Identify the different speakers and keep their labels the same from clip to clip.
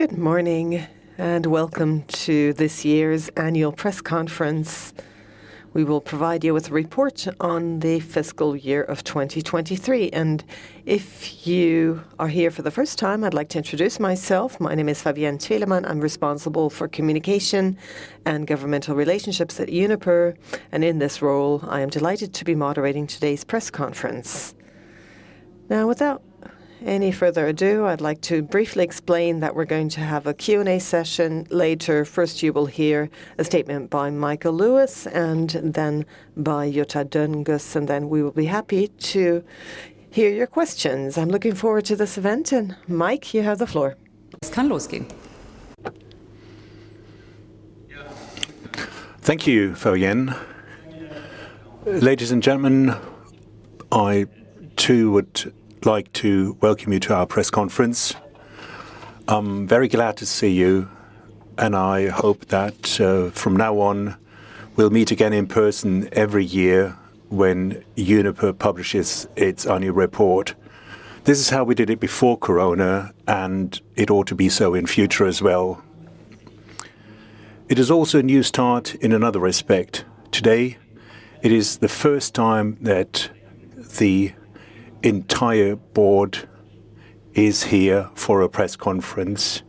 Speaker 1: Good morning and welcome to this year's annual press conference. We will provide you with a report on the fiscal year of 2023, and if you are here for the first time, I'd like to introduce myself. My name is Fabienne Thielemann, I'm responsible for communication and governmental relationships at Uniper, and in this role I am delighted to be moderating today's press conference. Now, without any further ado, I'd like to briefly explain that we're going to have a Q&A session later. First, you will hear a statement by Michael Lewis, and then by Jutta Dönges, and then we will be happy to hear your questions. I'm looking forward to this event, and Mike, you have the floor.
Speaker 2: Thank you, Fabienne. Ladies and gentlemen, I too would like to welcome you to our press conference. I'm very glad to see you, and I hope that from now on we'll meet again in person every year when Uniper publishes its annual report. This is how we did it before Corona, and it ought to be so in future as well. It is also a new start in another respect. Today it is the first time that the entire board is here for a press conference.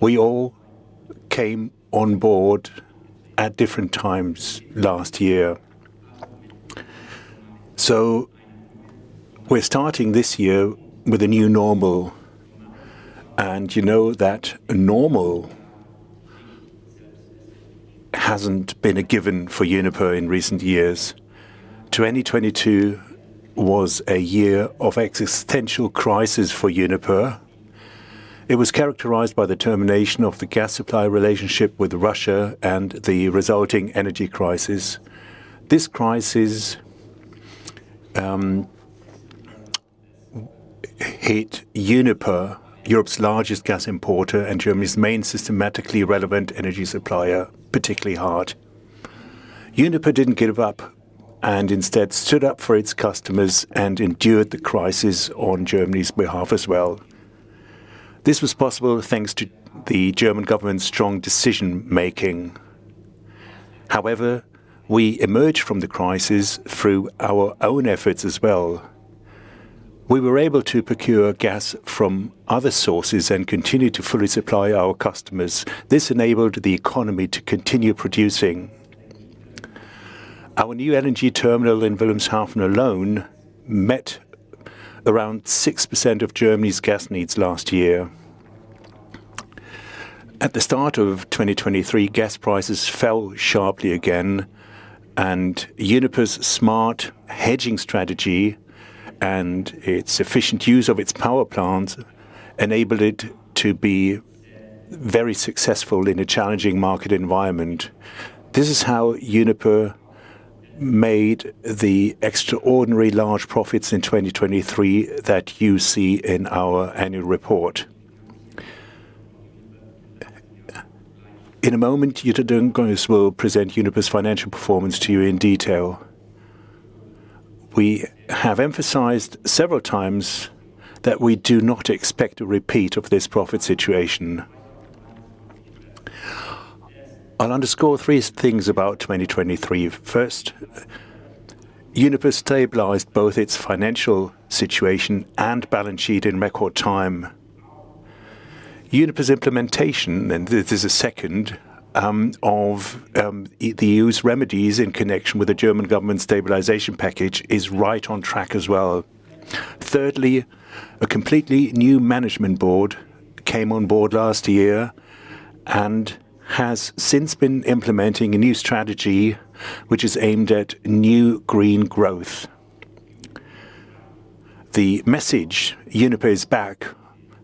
Speaker 2: We all came on board at different times last year. So we're starting this year with a new normal, and you know that normal hasn't been a given for Uniper in recent years. 2022 was a year of existential crisis for Uniper. It was characterized by the termination of the gas supply relationship with Russia and the resulting energy crisis. This crisis hit Uniper, Europe's largest gas importer and Germany's main systematically relevant energy supplier, particularly hard. Uniper didn't give up and instead stood up for its customers and endured the crisis on Germany's behalf as well. This was possible thanks to the German government's strong decision-making. However, we emerged from the crisis through our own efforts as well. We were able to procure gas from other sources and continue to fully supply our customers. This enabled the economy to continue producing. Our new energy terminal in Wilhelmshaven alone met around 6% of Germany's gas needs last year. At the start of 2023, gas prices fell sharply again, and Uniper's smart hedging strategy and its efficient use of its power plants enabled it to be very successful in a challenging market environment. This is how Uniper made the extraordinarily large profits in 2023 that you see in our annual report. In a moment, Jutta Dönges will present Uniper's financial performance to you in detail. We have emphasized several times that we do not expect a repeat of this profit situation. I'll underscore three things about 2023. First, Uniper stabilized both its financial situation and balance sheet in record time. Uniper's implementation—and this is a second—of the EU's remedies in connection with the German government's stabilization package is right on track as well. Thirdly, a completely new management board came on board last year and has since been implementing a new strategy which is aimed at new green growth. The message 'Uniper is back'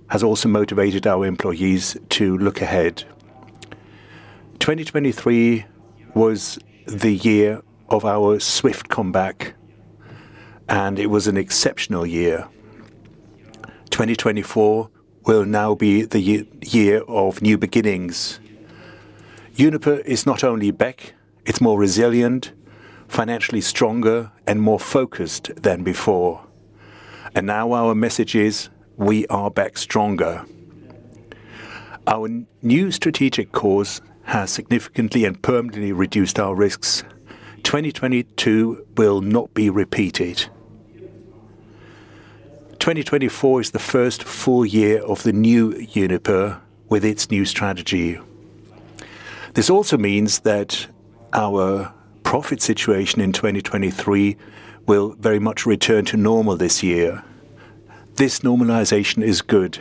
Speaker 2: has also motivated our employees to look ahead. 2023 was the year of our swift comeback, and it was an exceptional year. 2024 will now be the year of new beginnings. Uniper is not only back, it's more resilient, financially stronger, and more focused than before, and now our message is 'We are back stronger'. Our new strategic course has significantly and permanently reduced our risks. 2022 will not be repeated. 2024 is the first full year of the new Uniper with its new strategy. This also means that our profit situation in 2023 will very much return to normal this year. This normalisation is good,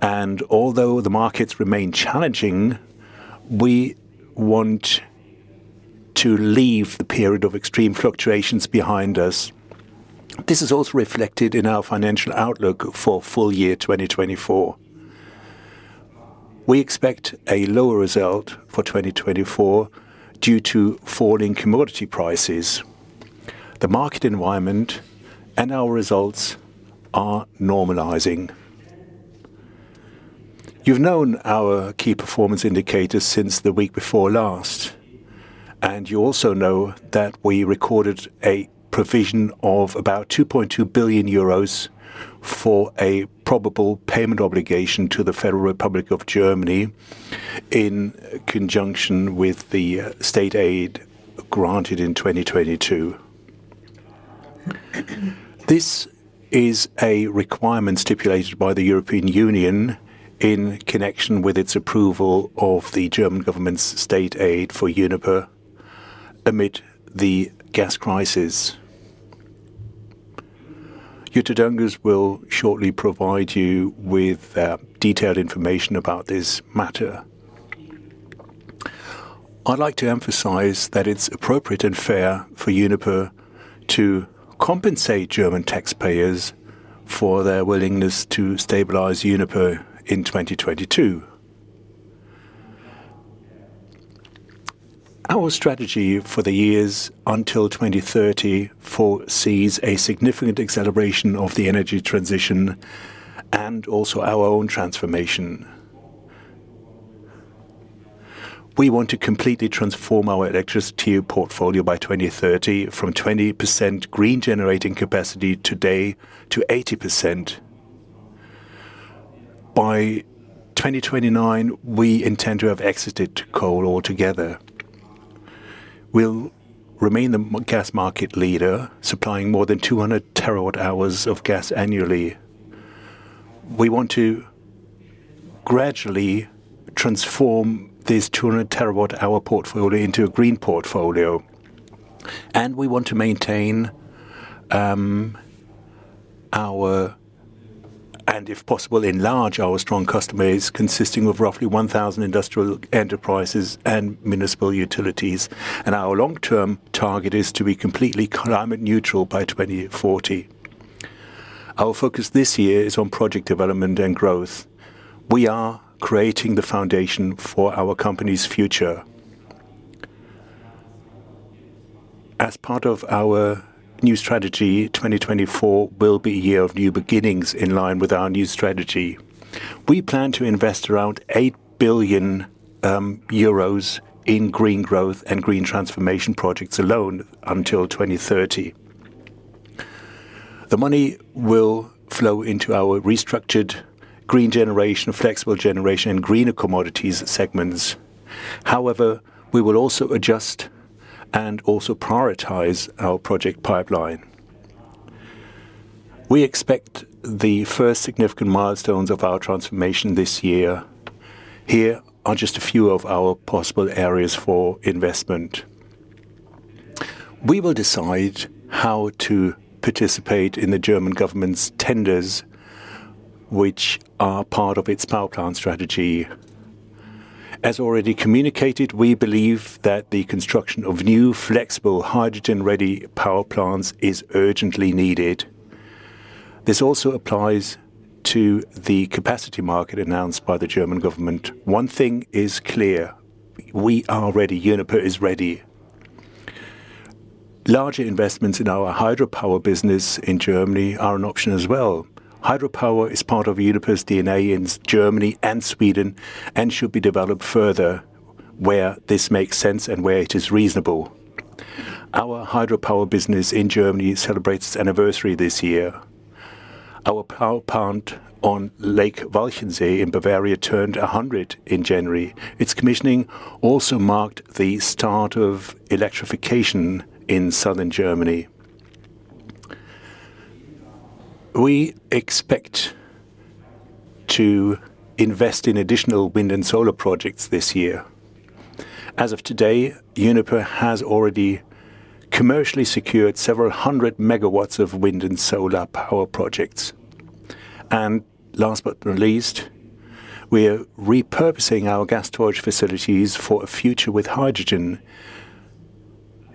Speaker 2: and although the markets remain challenging, we want to leave the period of extreme fluctuations behind us. This is also reflected in our financial outlook for full year 2024. We expect a lower result for 2024 due to falling commodity prices. The market environment and our results are normalising. You have known our key performance indicators since the week before last, and you also know that we recorded a provision of about €2.2 billion for a probable payment obligation to the Federal Republic of Germany in conjunction with the state aid granted in 2022. This is a requirement stipulated by the European Union in connection with its approval of the German government's state aid for Uniper amid the gas crisis. Jutta Dönges will shortly provide you with detailed information about this matter. I'd like to emphasize that it's appropriate and fair for Uniper to compensate German taxpayers for their willingness to stabilize Uniper in 2022. Our strategy for the years until 2030 foresees a significant acceleration of the energy transition and also our own transformation. We want to completely transform our electricity portfolio by 2030 from 20% green generating capacity today to 80%. By 2029, we intend to have exited coal altogether. We'll remain the gas market leader, supplying more than 200 TWh of gas annually. We want to gradually transform this 200 TWh portfolio into a green portfolio, and we want to maintain our—and if possible enlarge—our strong customers consisting of roughly 1,000 industrial enterprises and municipal utilities, and our long-term target is to be completely climate neutral by 2040. Our focus this year is on project development and growth. We are creating the foundation for our company's future. As part of our new strategy, 2024 will be a year of new beginnings in line with our new strategy. We plan to invest around €8 billion in green growth and green transformation projects alone until 2030. The money will flow into our restructured green generation, flexible generation, and greener commodities segments. However, we will also adjust and also prioritize our project pipeline. We expect the first significant milestones of our transformation this year. Here are just a few of our possible areas for investment. We will decide how to participate in the German government's tenders which are part of its power plant strategy. As already communicated, we believe that the construction of new flexible hydrogen-ready power plants is urgently needed. This also applies to the capacity market announced by the German government. One thing is clear: we are ready. Uniper is ready. Larger investments in our hydropower business in Germany are an option as well. Hydropower is part of Uniper's DNA in Germany and Sweden and should be developed further where this makes sense and where it is reasonable. Our hydropower business in Germany celebrates its anniversary this year. Our power plant on Lake Walchensee in Bavaria turned 100 in January. Its commissioning also marked the start of electrification in southern Germany. We expect to invest in additional wind and solar projects this year. As of today, Uniper has already commercially secured several hundred megawatts of wind and solar power projects. Last but not least, we are repurposing our gas storage facilities for a future with hydrogen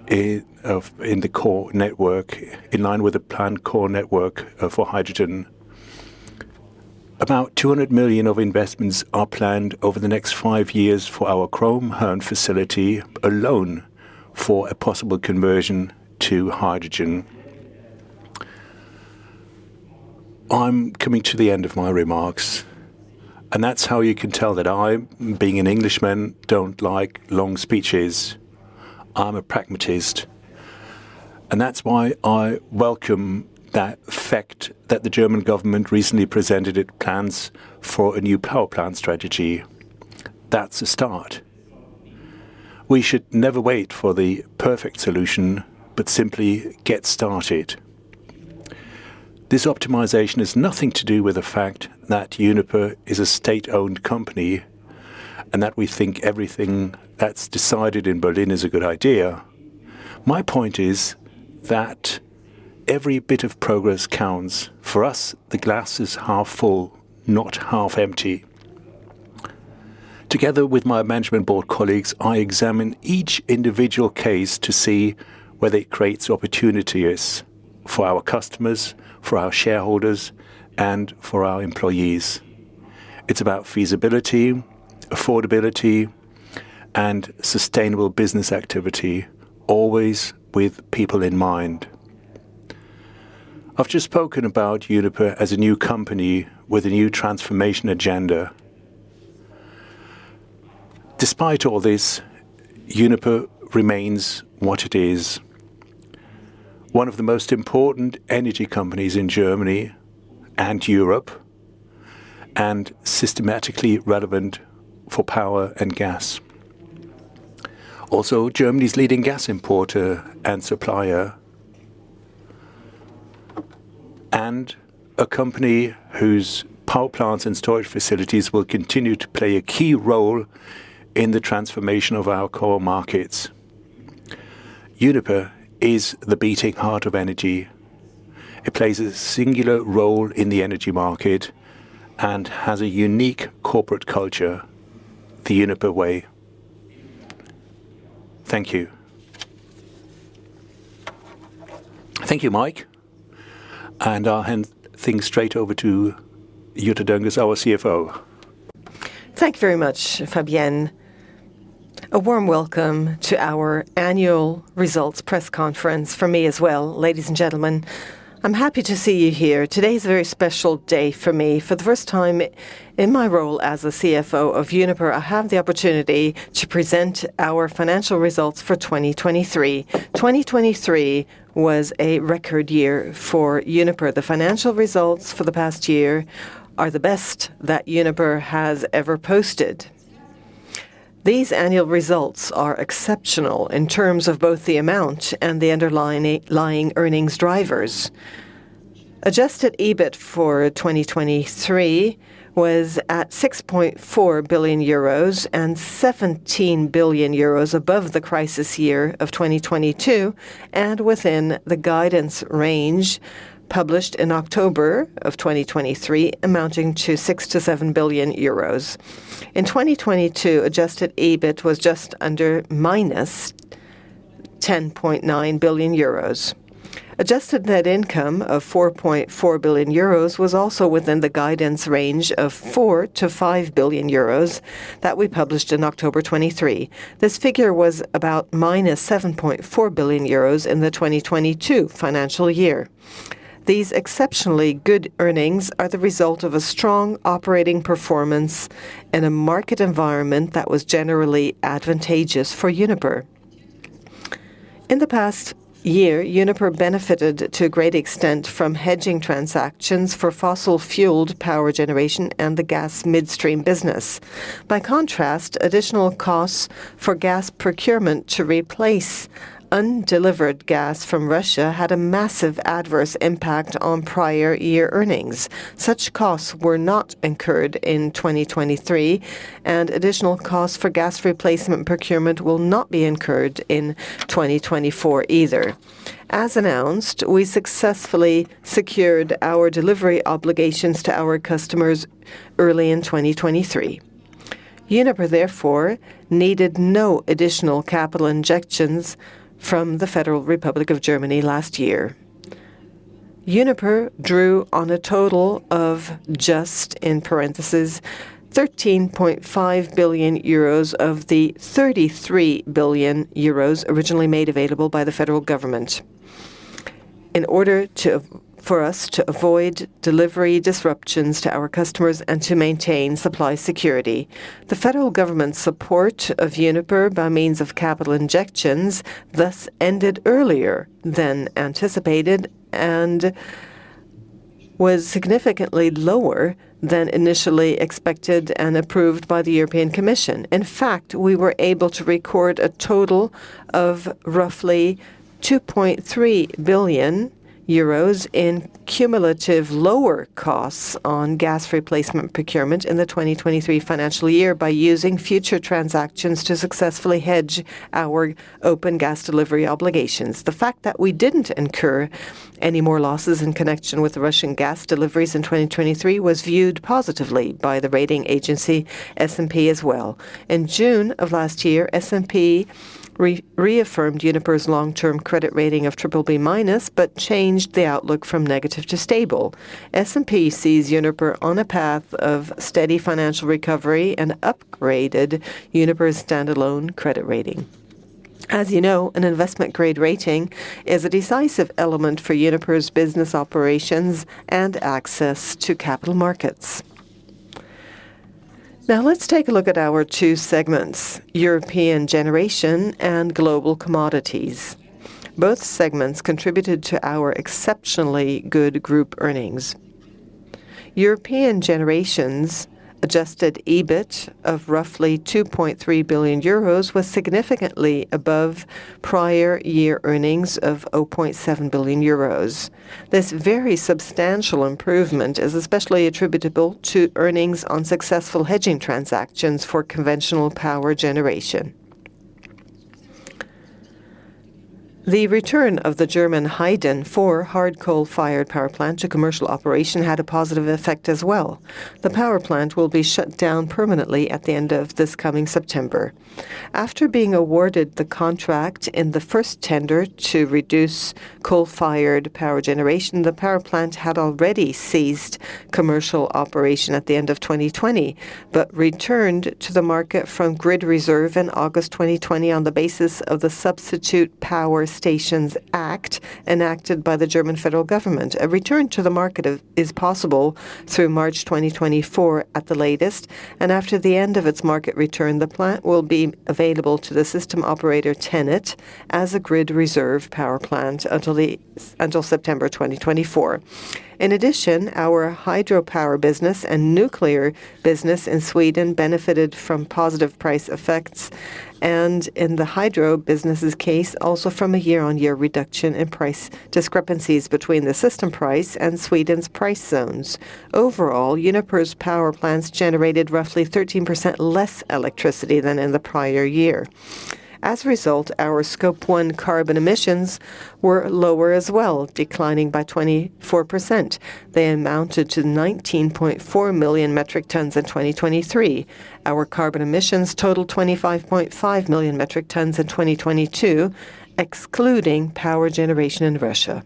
Speaker 2: in the core network, in line with the planned core network for hydrogen. About €200 million of investments are planned over the next five years for our Krummhörn facility alone for a possible conversion to hydrogen. I'm coming to the end of my remarks, and that's how you can tell that I, being an Englishman, don't like long speeches. I'm a pragmatist, and that's why I welcome the fact that the German government recently presented its plans for a new power plant strategy. That's a start. We should never wait for the perfect solution, but simply get started. This optimization has nothing to do with the fact that Uniper is a state-owned company and that we think everything that's decided in Berlin is a good idea. My point is that every bit of progress counts. For us, the glass is half full, not half empty. Together with my management board colleagues, I examine each individual case to see where it creates opportunities for our customers, for our shareholders, and for our employees. It's about feasibility, affordability, and sustainable business activity, always with people in mind. I've just spoken about Uniper as a new company with a new transformation agenda. Despite all this, Uniper remains what it is: one of the most important energy companies in Germany and Europe, and systematically relevant for power and gas. Also, Germany's leading gas importer and supplier, and a company whose power plants and storage facilities will continue to play a key role in the transformation of our core markets. Uniper is the beating heart of energy. It plays a singular role in the energy market and has a unique corporate culture—the Uniper way. Thank you.
Speaker 1: Thank you, Mike, and I'll hand things straight over to Jutta Dönges, our CFO.
Speaker 3: Thank you very much, Fabienne. A warm welcome to our annual results press conference from me as well, ladies and gentlemen. I'm happy to see you here. Today is a very special day for me. For the first time in my role as CFO of Uniper, I have the opportunity to present our financial results for 2023. 2023 was a record year for Uniper. The financial results for the past year are the best that Uniper has ever posted. These annual results are exceptional in terms of both the amount and the underlying earnings drivers. Adjusted EBIT for 2023 was at €6.4 billion and €1.7 billion above the crisis year of 2022 and within the guidance range published in October of 2023, amounting to €6-7 billion. In 2022, adjusted EBIT was just under minus €10.9 billion. Adjusted net income of €4.4 billion was also within the guidance range of €4-5 billion that we published in October 2023. This figure was about minus €7.4 billion in the 2022 financial year. These exceptionally good earnings are the result of a strong operating performance in a market environment that was generally advantageous for Uniper. In the past year, Uniper benefited to a great extent from hedging transactions for fossil-fueled power generation and the gas midstream business. By contrast, additional costs for gas procurement to replace undelivered gas from Russia had a massive adverse impact on prior year earnings. Such costs were not incurred in 2023, and additional costs for gas replacement procurement will not be incurred in 2024 either. As announced, we successfully secured our delivery obligations to our customers early in 2023. Uniper, therefore, needed no additional capital injections from the Federal Republic of Germany last year. Uniper drew on a total of just €13.5 billion of the €33 billion originally made available by the federal government. In order for us to avoid delivery disruptions to our customers and to maintain supply security, the federal government's support of Uniper by means of capital injections thus ended earlier than anticipated and was significantly lower than initially expected and approved by the European Commission. In fact, we were able to record a total of roughly €2.3 billion in cumulative lower costs on gas replacement procurement in the 2023 financial year by using future transactions to successfully hedge our open gas delivery obligations. The fact that we didn't incur any more losses in connection with Russian gas deliveries in 2023 was viewed positively by the rating agency S&P as well. In June of last year, S&P reaffirmed Uniper's long-term credit rating of BBB- but changed the outlook from negative to stable. S&P sees Uniper on a path of steady financial recovery and upgraded Uniper's standalone credit rating. As you know, an investment-grade rating is a decisive element for Uniper's business operations and access to capital markets. Now, let's take a look at our two segments, European generation and global commodities. Both segments contributed to our exceptionally good group earnings. European generation's adjusted EBIT of roughly €2.3 billion was significantly above prior year earnings of €0.7 billion. This very substantial improvement is especially attributable to earnings on successful hedging transactions for conventional power generation. The return of the German Heyden 4 hard coal-fired power plant to commercial operation had a positive effect as well. The power plant will be shut down permanently at the end of this coming September. After being awarded the contract in the first tender to reduce coal-fired power generation, the power plant had already ceased commercial operation at the end of 2020 but returned to the market from grid reserve in August 2021 on the basis of the Substitute Power Stations Act enacted by the German federal government. A return to the market is possible through March 2024 at the latest, and after the end of its market return, the plant will be available to the system operator Tennet as a grid reserve power plant until September 2024. In addition, our hydropower business and nuclear business in Sweden benefited from positive price effects, and in the hydro business's case, also from a year-on-year reduction in price discrepancies between the system price and Sweden's price zones. Overall, Uniper's power plants generated roughly 13% less electricity than in the prior year. As a result, our Scope 1 carbon emissions were lower as well, declining by 24%. They amounted to 19.4 million metric tons in 2023. Our carbon emissions totaled 25.5 million metric tons in 2022, excluding power generation in Russia.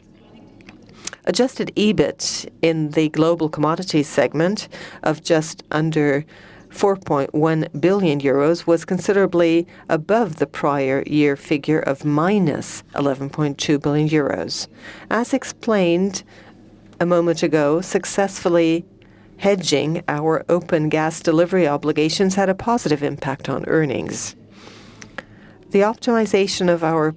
Speaker 3: Adjusted EBIT in the global commodities segment of just under €4.1 billion was considerably above the prior year figure of minus €11.2 billion. As explained a moment ago, successfully hedging our open gas delivery obligations had a positive impact on earnings. The optimization of our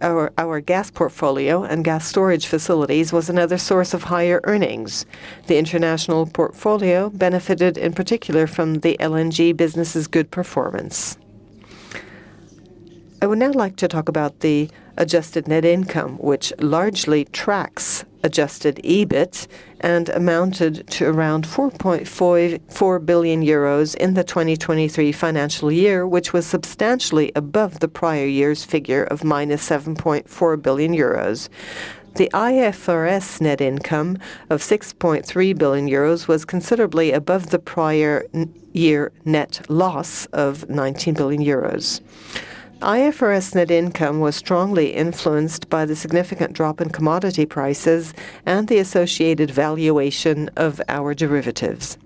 Speaker 3: gas portfolio and gas storage facilities was another source of higher earnings. The international portfolio benefited in particular from the LNG business's good performance. I would now like to talk about the adjusted net income, which largely tracks adjusted EBIT and amounted to around €4.4 billion in the 2023 financial year, which was substantially above the prior year's figure of minus €7.4 billion. The IFRS net income of €6.3 billion was considerably above the prior year net loss of €19 billion. IFRS net income was strongly influenced by the significant drop in commodity prices and the associated valuation of our derivatives.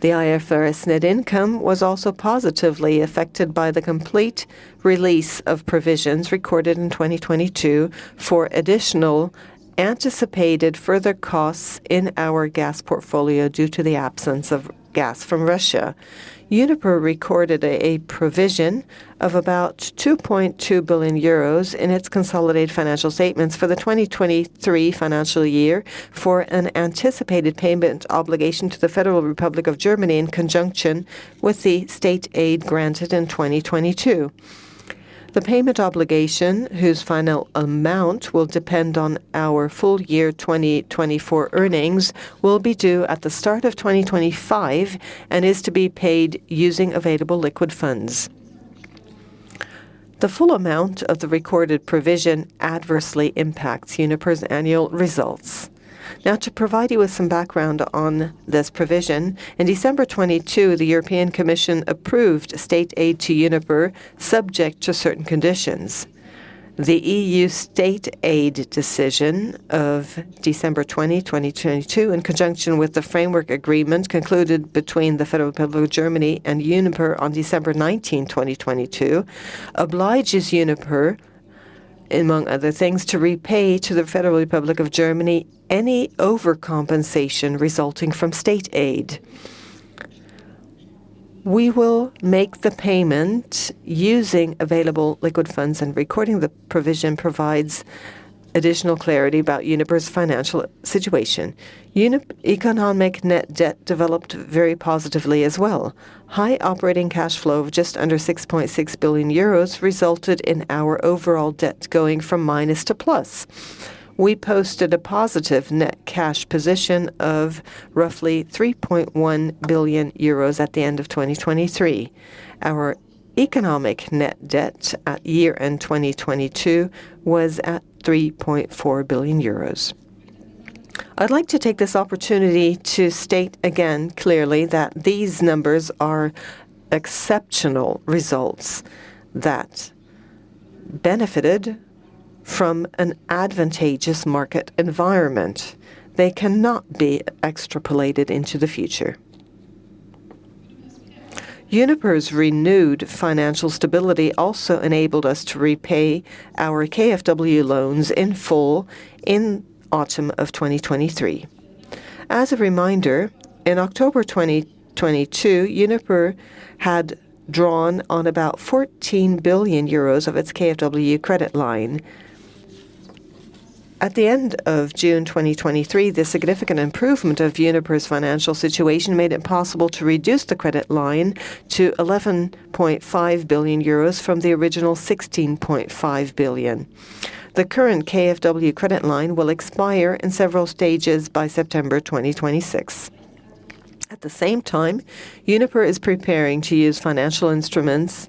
Speaker 3: The IFRS net income was also positively affected by the complete release of provisions recorded in 2022 for additional anticipated further costs in our gas portfolio due to the absence of gas from Russia. Uniper recorded a provision of about €2.2 billion in its consolidated financial statements for the 2023 financial year for an anticipated payment obligation to the Federal Republic of Germany in conjunction with the state aid granted in 2022. The payment obligation, whose final amount will depend on our full year 2024 earnings, will be due at the start of 2025 and is to be paid using available liquid funds. The full amount of the recorded provision adversely impacts Uniper's annual results. Now, to provide you with some background on this provision, in December 2022, the European Commission approved state aid to Uniper subject to certain conditions. The EU state aid decision of December 20, 2022, in conjunction with the framework agreement concluded between the Federal Republic of Germany and Uniper on December 19, 2022, obliges Uniper, among other things, to repay to the Federal Republic of Germany any overcompensation resulting from state aid. We will make the payment using available liquid funds, and recording the provision provides additional clarity about Uniper's financial situation. Economic net debt developed very positively as well. High operating cash flow of just under €6.6 billion resulted in our overall debt going from minus to plus. We posted a positive net cash position of roughly €3.1 billion at the end of 2023. Our economic net debt at year-end 2022 was at €3.4 billion. I would like to take this opportunity to state again clearly that these numbers are exceptional results that benefited from an advantageous market environment. They cannot be extrapolated into the future. Uniper's renewed financial stability also enabled us to repay our KfW loans in full in autumn of 2023. As a reminder, in October 2022, Uniper had drawn on about €14 billion of its KfW credit line. At the end of June 2023, this significant improvement of Uniper's financial situation made it possible to reduce the credit line to €11.5 billion from the original €16.5 billion. The current KfW credit line will expire in several stages by September 2026. At the same time, Uniper is preparing to use financial instruments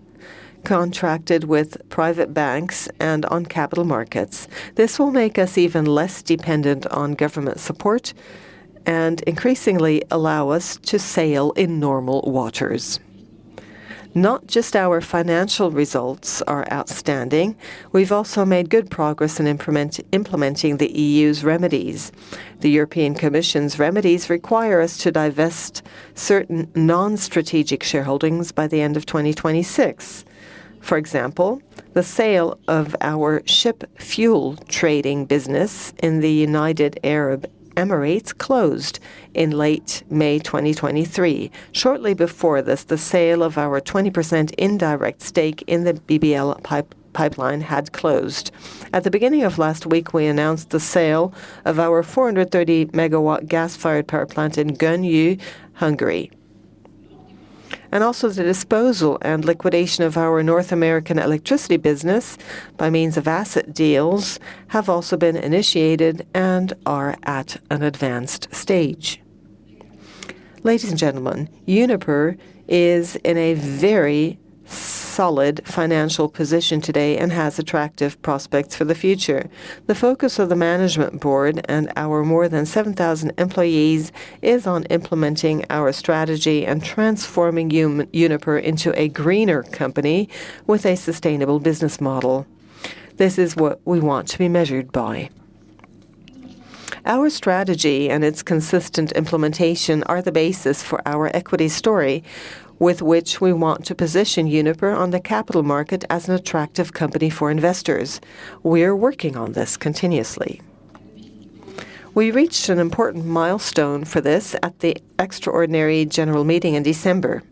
Speaker 3: contracted with private banks and on capital markets. This will make us even less dependent on government support and increasingly allow us to sail in normal waters. Not just our financial results are outstanding. We have also made good progress in implementing the EU's remedies. The European Commission's remedies require us to divest certain non-strategic shareholdings by the end of 2026. For example, the sale of our ship fuel trading business in the United Arab Emirates closed in late May 2023. Shortly before this, the sale of our 20% indirect stake in the BBL pipeline had closed. At the beginning of last week, we announced the sale of our 430-megawatt gas-fired power plant in Gönyű, Hungary. Also, the disposal and liquidation of our North American electricity business by means of asset deals have also been initiated and are at an advanced stage. Ladies and gentlemen, Uniper is in a very solid financial position today and has attractive prospects for the future. The focus of the management board and our more than 7,000 employees is on implementing our strategy and transforming Uniper into a greener company with a sustainable business model. This is what we want to be measured by. Our strategy and its consistent implementation are the basis for our equity story, with which we want to position Uniper on the capital market as an attractive company for investors. We are working on this continuously. We reached an important milestone for this at the extraordinary general meeting in December.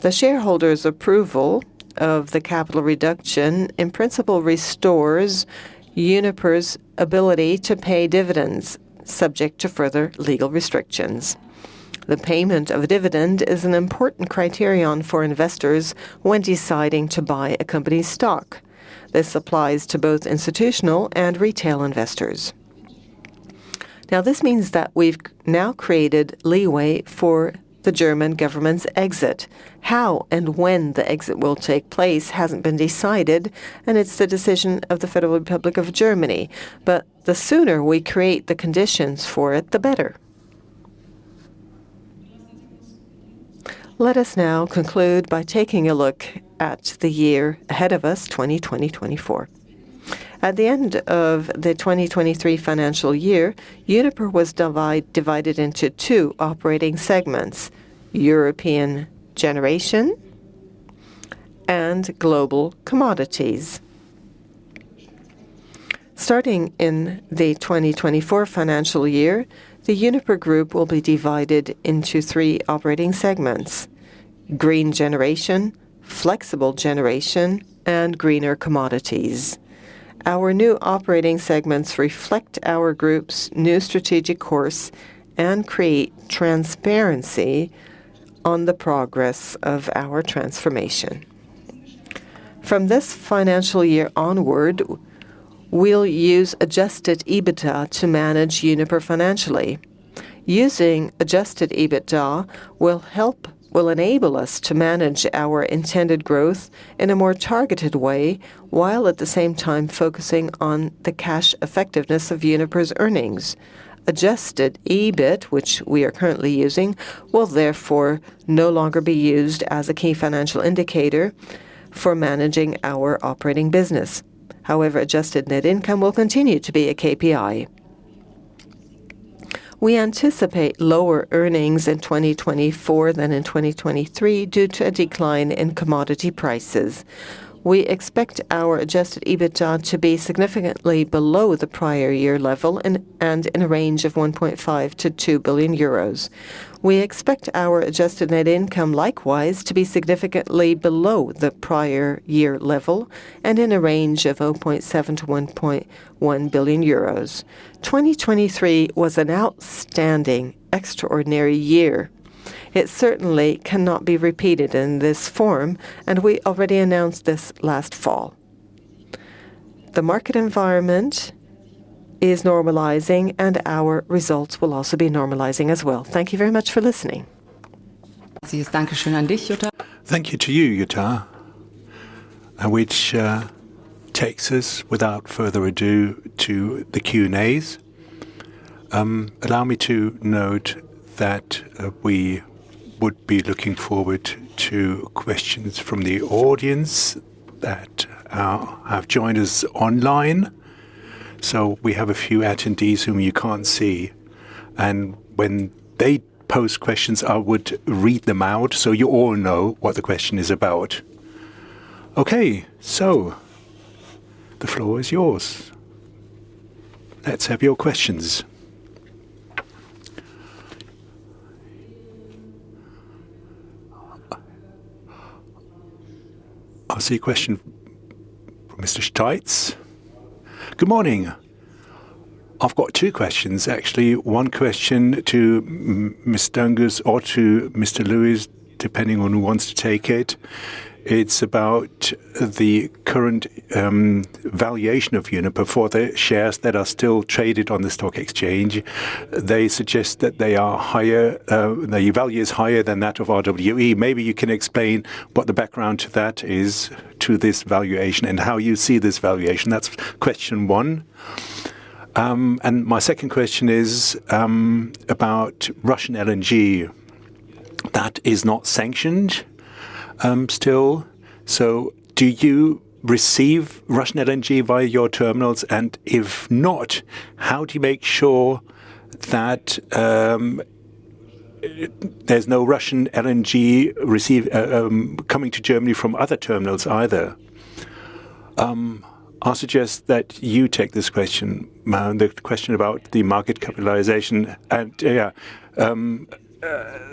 Speaker 3: The shareholders' approval of the capital reduction, in principle, restores Uniper's ability to pay dividends subject to further legal restrictions. The payment of a dividend is an important criterion for investors when deciding to buy a company's stock. This applies to both institutional and retail investors. This means that we have now created leeway for the German government's exit. How and when the exit will take place hasn't been decided, and it is the decision of the Federal Republic of Germany. But the sooner we create the conditions for it, the better. Let us now conclude by taking a look at the year ahead of us, 2024. At the end of the 2023 financial year, Uniper was divided into two operating segments: European generation and global commodities. Starting in the 2024 financial year, the Uniper Group will be divided into three operating segments: green generation, flexible generation, and greener commodities. Our new operating segments reflect our group's new strategic course and create transparency on the progress of our transformation. From this financial year onward, we will use adjusted EBITDA to manage Uniper financially. Using adjusted EBITDA will enable us to manage our intended growth in a more targeted way while at the same time focusing on the cash effectiveness of Uniper's earnings. Adjusted EBIT, which we are currently using, will therefore no longer be used as a key financial indicator for managing our operating business. However, adjusted net income will continue to be a KPI. We anticipate lower earnings in 2024 than in 2023 due to a decline in commodity prices. We expect our adjusted EBITDA to be significantly below the prior year level and in a range of €1.5 to €2 billion. We expect our adjusted net income likewise to be significantly below the prior year level and in a range of €0.7 to €1.1 billion. 2023 was an outstanding, extraordinary year. It certainly cannot be repeated in this form, and we already announced this last fall. The market environment is normalizing, and our results will also be normalizing as well. Thank you very much for listening.
Speaker 1: Thank you to you, Jutta. Which takes us, without further ado, to the Q&As. Allow me to note that we would be looking forward to questions from the audience that have joined us online. We have a few attendees whom you can't see. When they post questions, I would read them out so you all know what the question is about. The floor is yours. Let's have your questions. I see a question from Mr. Steitz. Good morning. I have got two questions. Actually, one question to Ms. Dönges or to Mr. Lewis, depending on who wants to take it. It is about the current valuation of Uniper for the shares that are still traded on the stock exchange. They suggest that the value is higher than that of RWE. Maybe you can explain what the background to that is, to this valuation, and how you see this valuation. That is question one. My second question is about Russian LNG. That is not sanctioned still. So do you receive Russian LNG via your terminals? If not, how do you make sure that there is no Russian LNG coming to Germany from other terminals either?
Speaker 2: I suggest that you take this question, the question about the market capitalization.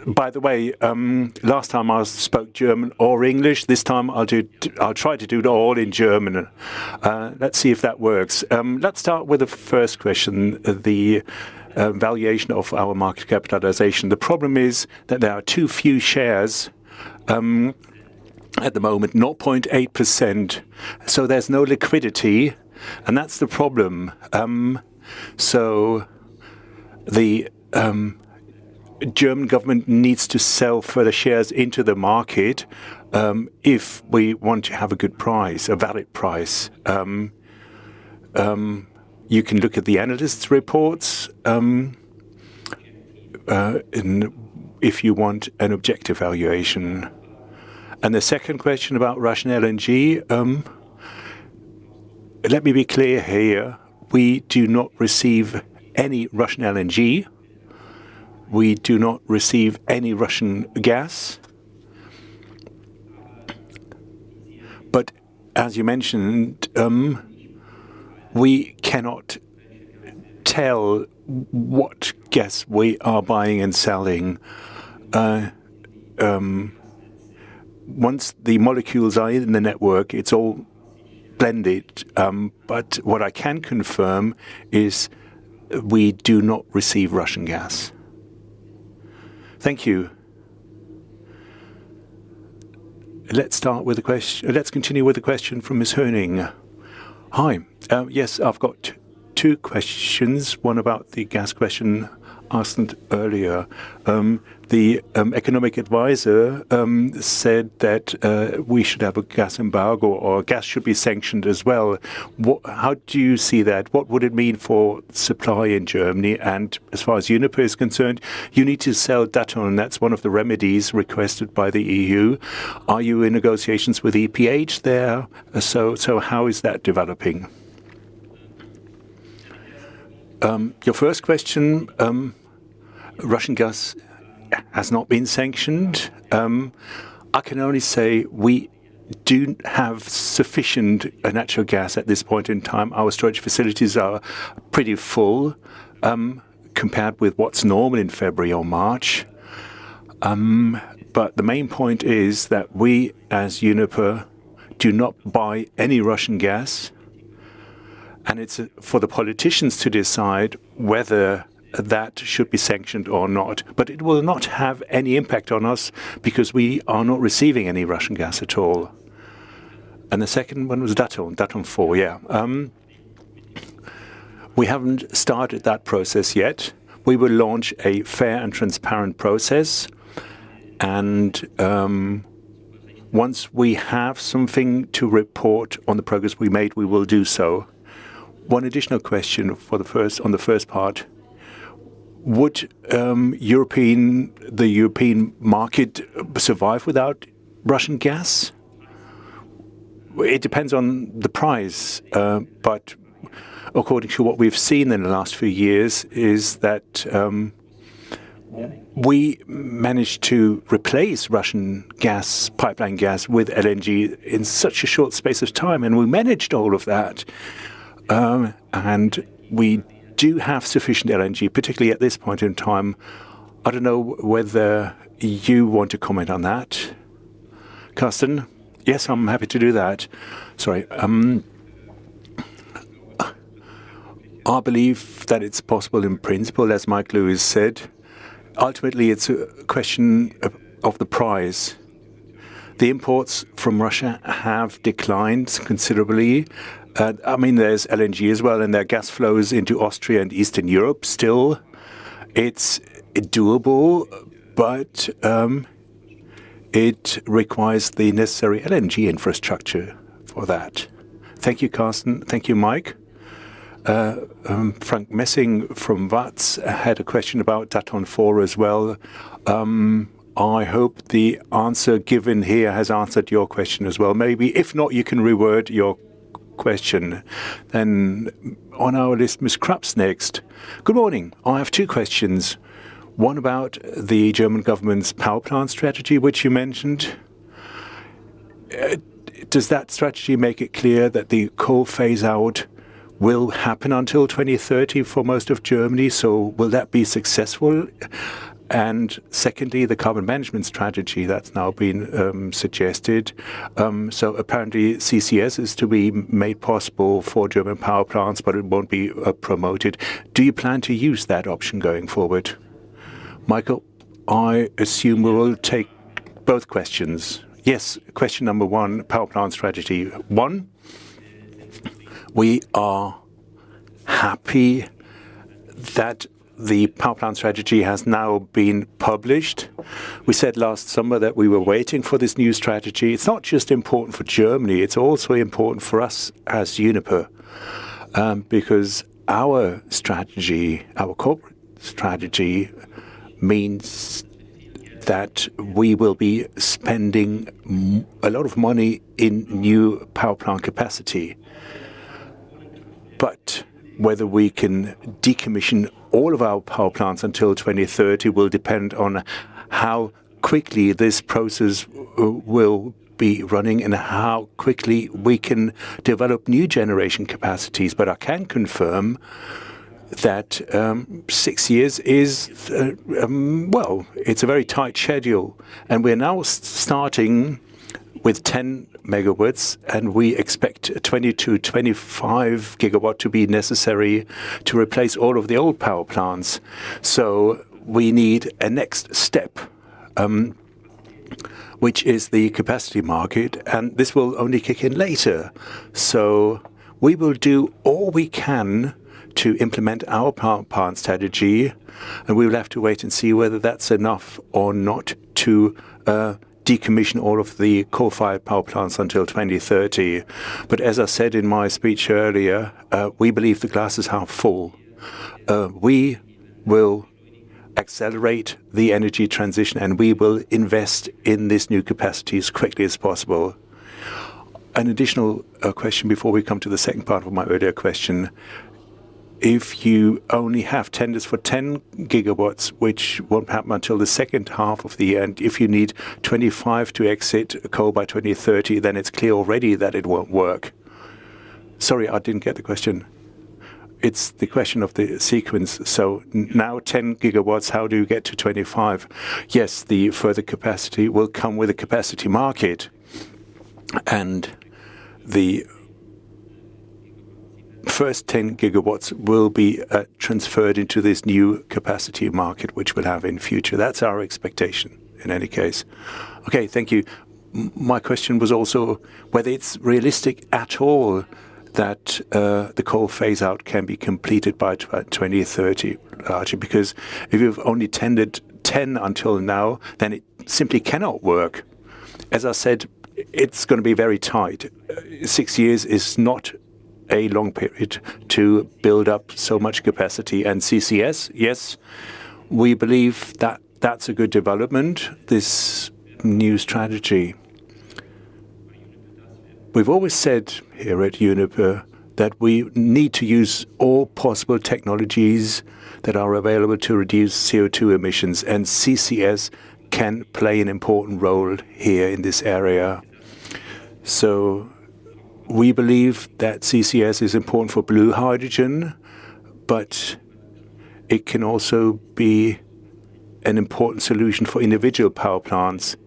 Speaker 2: By the way, last time I spoke German or English, this time I will try to do it all in German. Let's see if that works. Let's start with the first question, the valuation of our market capitalization. The problem is that there are too few shares at the moment, 0.8%. So there is no liquidity, and that is the problem. So the German government needs to sell further shares into the market if we want to have a good price, a valid price. You can look at the analysts' reports if you want an objective valuation. And the second question about Russian LNG. Let me be clear here. We do not receive any Russian LNG. We do not receive any Russian gas. But as you mentioned, we cannot tell what gas we are buying and selling. Once the molecules are in the network, it is all blended. But what I can confirm is we do not receive Russian gas.
Speaker 1: Thank you. Let's continue with the question from Ms. Hörning. Hi. Yes, I have got two questions. One about the gas question asked earlier. The economic advisor said that we should have a gas embargo or gas should be sanctioned as well. How do you see that? What would it mean for supply in Germany? As far as Uniper is concerned, you need to sell Datteln, and that is one of the remedies requested by the EU. Are you in negotiations with EPH there? How is that developing?
Speaker 2: Your first question, Russian gas has not been sanctioned. I can only say we do not have sufficient natural gas at this point in time. Our storage facilities are pretty full compared with what is normal in February or March. But the main point is that we, as Uniper, do not buy any Russian gas. It is for the politicians to decide whether that should be sanctioned or not. But it will not have any impact on us because we are not receiving any Russian gas at all. The second one was Datteln, Datteln 4, yeah. We have not started that process yet. We will launch a fair and transparent process. Once we have something to report on the progress we made, we will do so. One additional question on the first part. Would the European market survive without Russian gas? It depends on the price. But according to what we have seen in the last few years is that we managed to replace Russian pipeline gas with LNG in such a short space of time, and we managed all of that. We do have sufficient LNG, particularly at this point in time. I do not know whether you want to comment on that. Carsten?
Speaker 4: Yes, I am happy to do that. Sorry. I believe that it is possible in principle, as Mike Lewis said. Ultimately, it is a question of the price. The imports from Russia have declined considerably. I mean, there is LNG as well, and there are gas flows into Austria and Eastern Europe still. It is doable, but it requires the necessary LNG infrastructure for that.
Speaker 1: Thank you, Carsten. Thank you, Mike. Frank Messing from Vatz had a question about Datteln 4 as well. I hope the answer given here has answered your question as well. Maybe, if not, you can reword your question. Then on our list, Ms. Krebs next. Good morning. I have two questions. One about the German government's power plant strategy, which you mentioned. Does that strategy make it clear that the coal phase-out will happen until 2030 for most of Germany? So will that be successful? Secondly, the carbon management strategy that has now been suggested. Apparently, CCS is going to be made possible for German power plants, but it will not be promoted. Do you plan to use that option going forward? Michael, I assume we will take both questions.
Speaker 2: Yes. Question number one, power plant strategy. One, we are happy that the power plant strategy has now been published. We said last summer that we were waiting for this new strategy. It is not just important for Germany. It is also important for us as Uniper because our corporate strategy means that we will be spending a lot of money in new power plant capacity. But whether we can decommission all of our power plants until 2030 will depend on how quickly this process will be running and how quickly we can develop new generation capacities. But I can confirm that six years is a very tight schedule. We are now starting with 10 megawatts, and we expect 20 to 25 gigawatts to be necessary to replace all of the old power plants. So we need a next step, which is the capacity market. This will only kick in later. We will do all we can to implement our power plant strategy, and we will have to wait and see whether that is enough or not to decommission all of the coal-fired power plants until 2030. But as I said in my speech earlier, we believe the glass is half full. We will accelerate the energy transition, and we will invest in these new capacities as quickly as possible.
Speaker 1: An additional question before we come to the second part of my earlier question. If you only have tenders for 10 gigawatts, which will not happen until the second half of the year, and if you need 25 to exit coal by 2030, then it is clear already that it will not work.
Speaker 2: Sorry, I did not get the question.
Speaker 1: It is the question of the sequence. Now 10 gigawatts, how do you get to 25?
Speaker 2: Yes, the further capacity will come with a capacity market. The first 10 gigawatts will be transferred into this new capacity market, which we will have in future. That is our expectation in any case.
Speaker 1: Thank you. My question was also whether it is realistic at all that the coal phase-out can be completed by 2030 largely. Because if you have only tended 10 until now, then it simply cannot work.
Speaker 2: As I said, it is going to be very tight. Six years is not a long period to build up so much capacity. CCS, yes, we believe that that is a good development, this new strategy. We have always said here at Uniper that we need to use all possible technologies that are available to reduce CO2 emissions, and CCS can play an important role here in this area. We believe that CCS is important for blue hydrogen, but it can also be an important solution for individual power plants.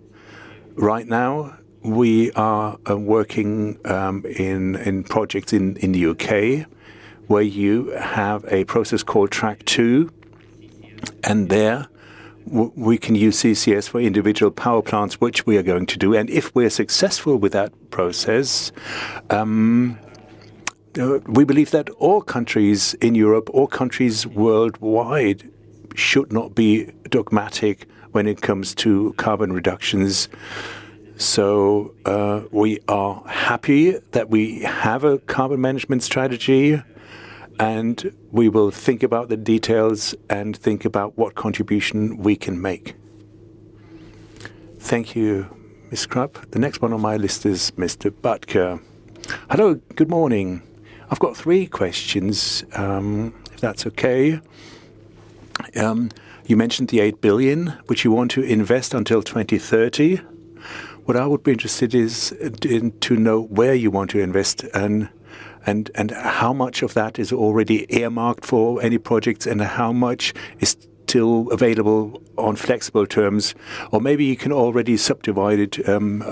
Speaker 2: Right now, we are working in projects in the UK where you have a process called Track 2, and there we can use CCS for individual power plants, which we are going to do. If we are successful with that process, we believe that all countries in Europe, all countries worldwide should not be dogmatic when it comes to carbon reductions. We are happy that we have a carbon management strategy, and we will think about the details and think about what contribution we can make.
Speaker 1: Thank you, Ms. Krapp. The next one on my list is Mr. Böttcher. Hello. Good morning. I have got three questions, if that is okay. You mentioned the $8 billion, which you want to invest until 2030. What I would be interested in is to know where you want to invest and how much of that is already earmarked for any projects and how much is still available on flexible terms. Or maybe you can already subdivide it and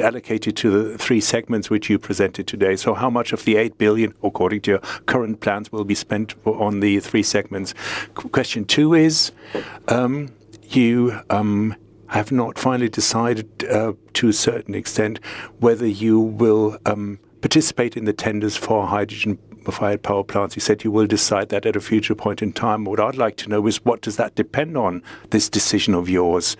Speaker 1: allocate it to the three segments which you presented today. So how much of the $8 billion, according to your current plans, will be spent on the three segments? Question two is you have not finally decided to a certain extent whether you will participate in the tenders for hydrogen-fired power plants. You said you will decide that at a future point in time. What I would like to know is what does that depend on, this decision of yours?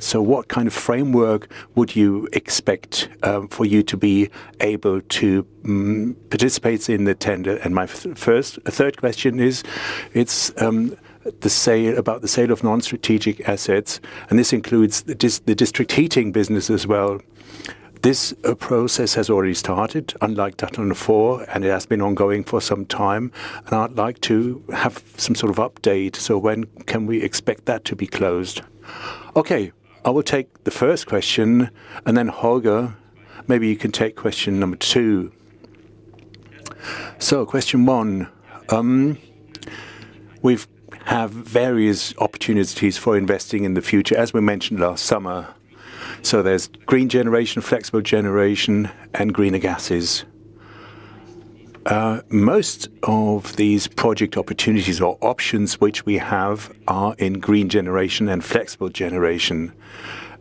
Speaker 1: So what kind of framework would you expect for you to be able to participate in the tender? My third question is about the sale of non-strategic assets, and this includes the district heating business as well. This process has already started, unlike Datteln 4, and it has been ongoing for some time. I would like to have some sort of update. When can we expect that to be closed?
Speaker 2: I will take the first question, and then Holger, maybe you can take question number two. Question one. We have various opportunities for investing in the future, as we mentioned last summer. There is green generation, flexible generation, and greener gases. Most of these project opportunities or options which we have are in green generation and flexible generation.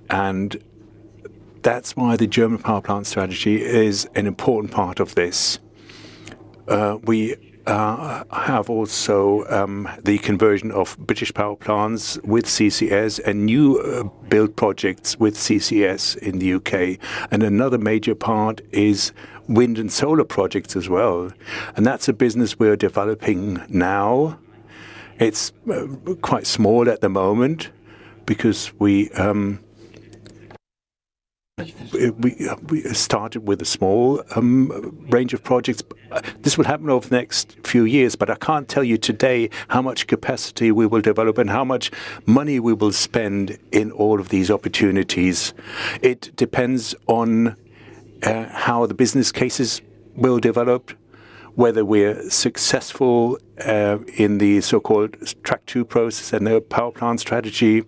Speaker 2: That is why the German power plant strategy is an important part of this. We have also the conversion of British power plants with CCS and new-built projects with CCS in the UK. Another major part is wind and solar projects as well. That is a business we are developing now. It is quite small at the moment because we started with a small range of projects. This will happen over the next few years, but I cannot tell you today how much capacity we will develop and how much money we will spend in all of these opportunities. It depends on how the business cases will develop, whether we are successful in the so-called Track 2 process and the power plant strategy.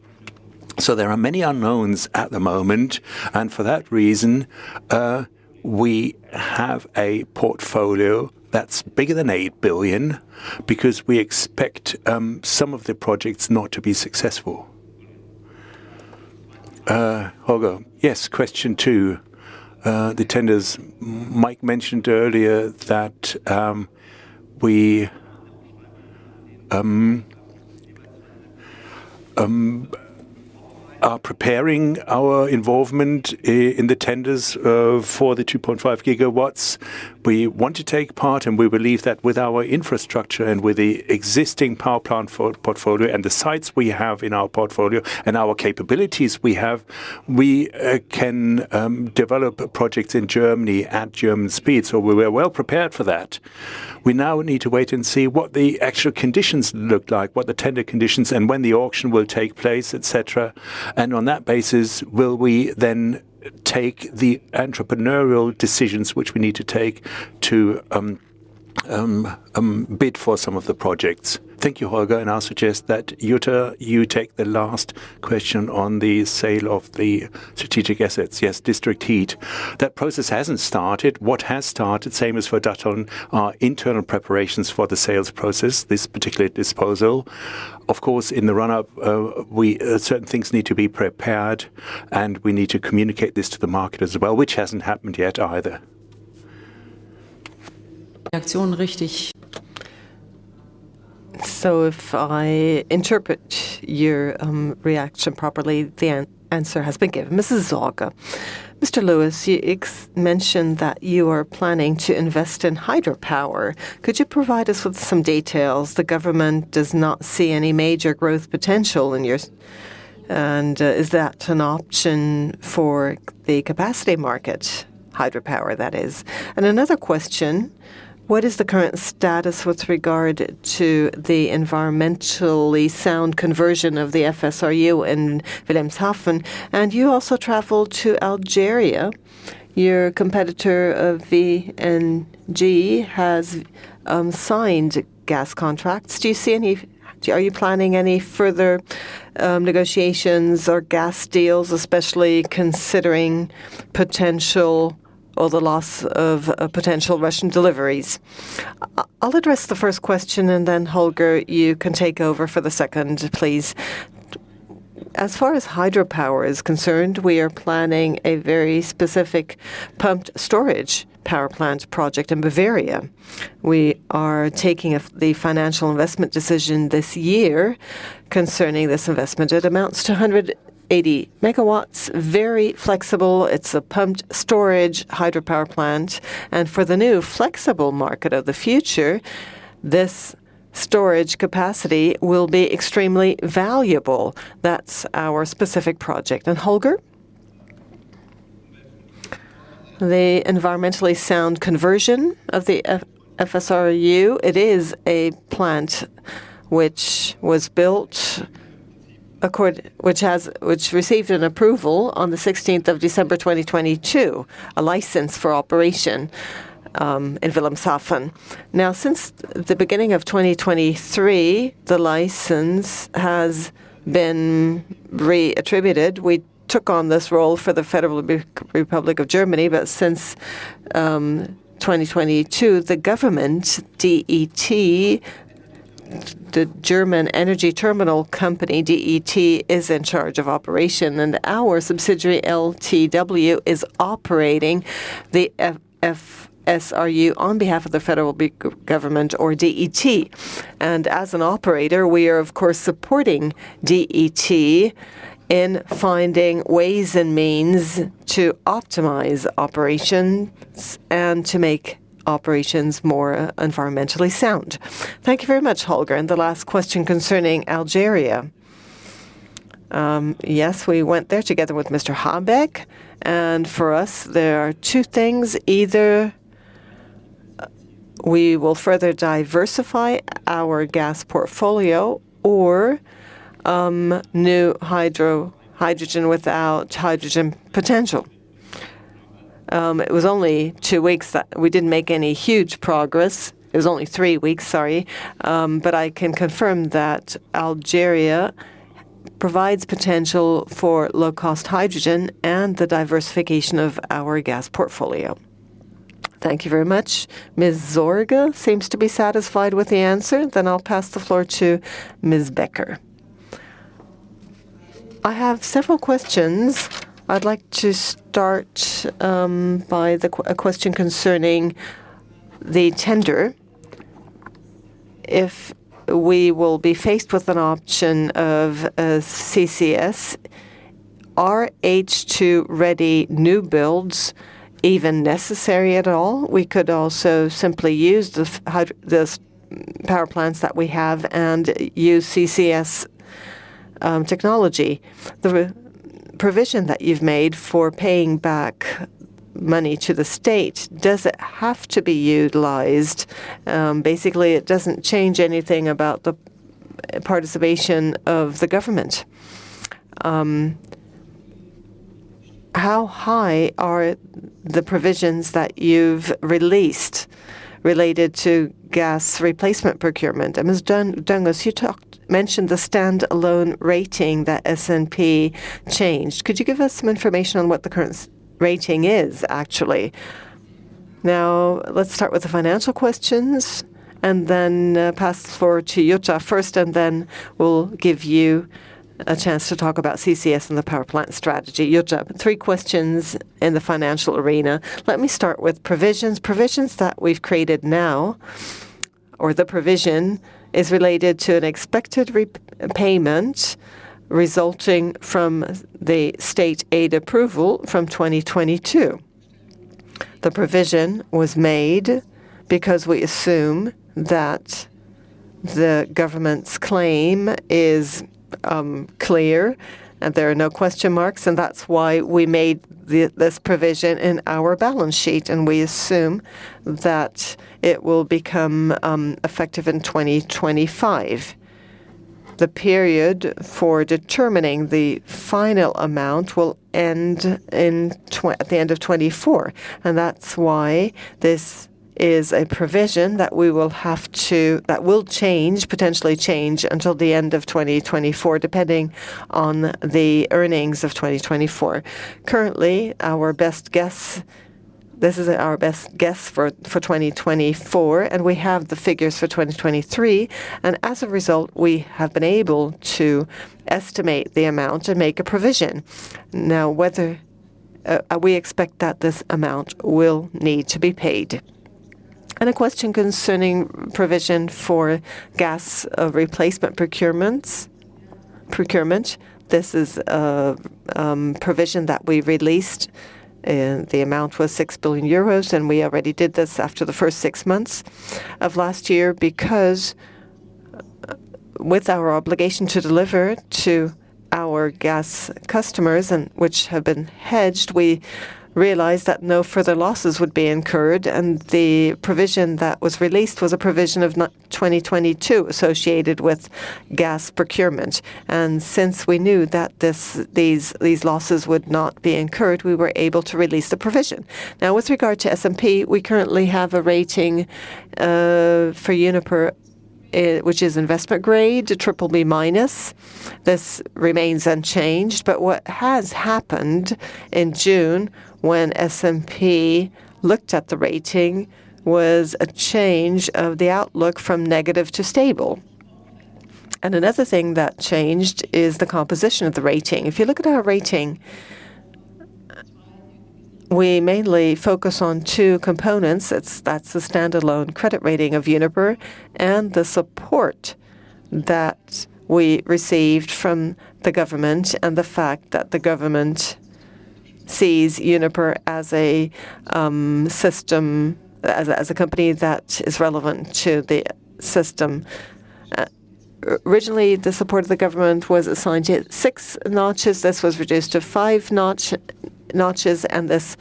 Speaker 2: So there are many unknowns at the moment, and for that reason, we have a portfolio that is bigger than $8 billion because we expect some of the projects not to be successful. Holger.
Speaker 5: Yes. Question two. The tenders, Mike mentioned earlier that we are preparing our involvement in the tenders for the 2.5 gigawatts. We want to take part, and we believe that with our infrastructure and with the existing power plant portfolio and the sites we have in our portfolio and our capabilities we have, we can develop projects in Germany at German speed. So we are well prepared for that. We now need to wait and see what the actual conditions look like, what the tender conditions, and when the auction will take place, etc. On that basis, will we then take the entrepreneurial decisions which we need to take to bid for some of the projects?
Speaker 2: Thank you, Holger. I suggest that Jutta, you take the last question on the sale of the strategic assets. Yes, district heat. That process has not started. What has started, same as for Detton, are internal preparations for the sales process, this particular disposal. Of course, in the run-up, certain things need to be prepared, and we need to communicate this to the market as well, which has not happened yet either.
Speaker 3: If I interpret your reaction properly, the answer has been given. This is Holger. Mr. Lewis, you mentioned that you are planning to invest in hydropower. Could you provide us with some details? The government does not see any major growth potential in yours, and is that an option for the capacity market, hydropower, that is? Another question. What is the current status with regard to the environmentally sound conversion of the FSRU in Wilhelmshaven? You also travel to Algeria. Your competitor, VNG, has signed gas contracts. Do you see any? Are you planning any further negotiations or gas deals, especially considering the loss of potential Russian deliveries? I will address the first question, and then Holger, you can take over for the second, please. As far as hydropower is concerned, we are planning a very specific pumped storage power plant project in Bavaria. We are taking the financial investment decision this year concerning this investment. It amounts to 180 megawatts, very flexible. It is a pumped storage hydropower plant. For the new flexible market of the future, this storage capacity will be extremely valuable. That is our specific project. Holger, the environmentally sound conversion of the FSRU, it is a plant which received an approval on the 16th of December 2022, a license for operation in Wilhelmshaven. Since the beginning of 2023, the license has been reattributed. We took on this role for the Federal Republic of Germany, but since 2022, the government, DET, the German Energy Terminal company, DET, is in charge of operation. Our subsidiary, LTW, is operating the FSRU on behalf of the Federal Government or DET. As an operator, we are, of course, supporting DET in finding ways and means to optimize operations and to make operations more environmentally sound. Thank you very much, Holger. The last question concerning Algeria. Yes, we went there together with Mr. Habeck. For us, there are two things. Either we will further diversify our gas portfolio or new hydrogen without hydrogen potential. It was only two weeks that we did not make any huge progress. It was only three weeks, sorry. I can confirm that Algeria provides potential for low-cost hydrogen and the diversification of our gas portfolio. Thank you very much. Ms. Zorga seems to be satisfied with the answer. Then I will pass the floor to Ms. Becker.
Speaker 6: I have several questions. I would like to start by a question concerning the tender. If we will be faced with an option of CCS, are H2-ready new builds even necessary at all? We could also simply use the power plants that we have and use CCS technology. The provision that you have made for paying back money to the state, does it have to be utilized? Basically, it does not change anything about the participation of the government. How high are the provisions that you have released related to gas replacement procurement? Ms. Dungus, you mentioned the stand-alone rating that S&P changed. Could you give us some information on what the current rating is, actually?
Speaker 7: Now, let us start with the financial questions and then pass the floor to Jutta first, and then we will give you a chance to talk about CCS and the power plant strategy. Jutta, three questions in the financial arena.
Speaker 3: Let me start with provisions. Provisions that we have created now, or the provision, is related to an expected repayment resulting from the state aid approval from 2022. The provision was made because we assume that the government's claim is clear and there are no question marks, and that is why we made this provision in our balance sheet, and we assume that it will become effective in 2025. The period for determining the final amount will end at the end of 2024, and that is why this is a provision that we will have to that will change, potentially change, until the end of 2024 depending on the earnings of 2024. Currently, our best guess this is our best guess for 2024, and we have the figures for 2023, and as a result, we have been able to estimate the amount and make a provision. Now, we expect that this amount will need to be paid. A question concerning provision for gas replacement procurement. This is a provision that we released. The amount was €6 billion, and we already did this after the first six months of last year because with our obligation to deliver to our gas customers, which have been hedged, we realized that no further losses would be incurred, and the provision that was released was a provision of 2022 associated with gas procurement. Since we knew that these losses would not be incurred, we were able to release the provision. With regard to S&P, we currently have a rating for Uniper, which is investment grade, BBB minus. This remains unchanged, but what has happened in June when S&P looked at the rating was a change of the outlook from negative to stable. Another thing that changed is the composition of the rating. If you look at our rating, we mainly focus on two components. That is the stand-alone credit rating of Uniper and the support that we received from the government and the fact that the government sees Uniper as a company that is relevant to the system. Originally, the support of the government was assigned to six notches. This was reduced to five notches, and this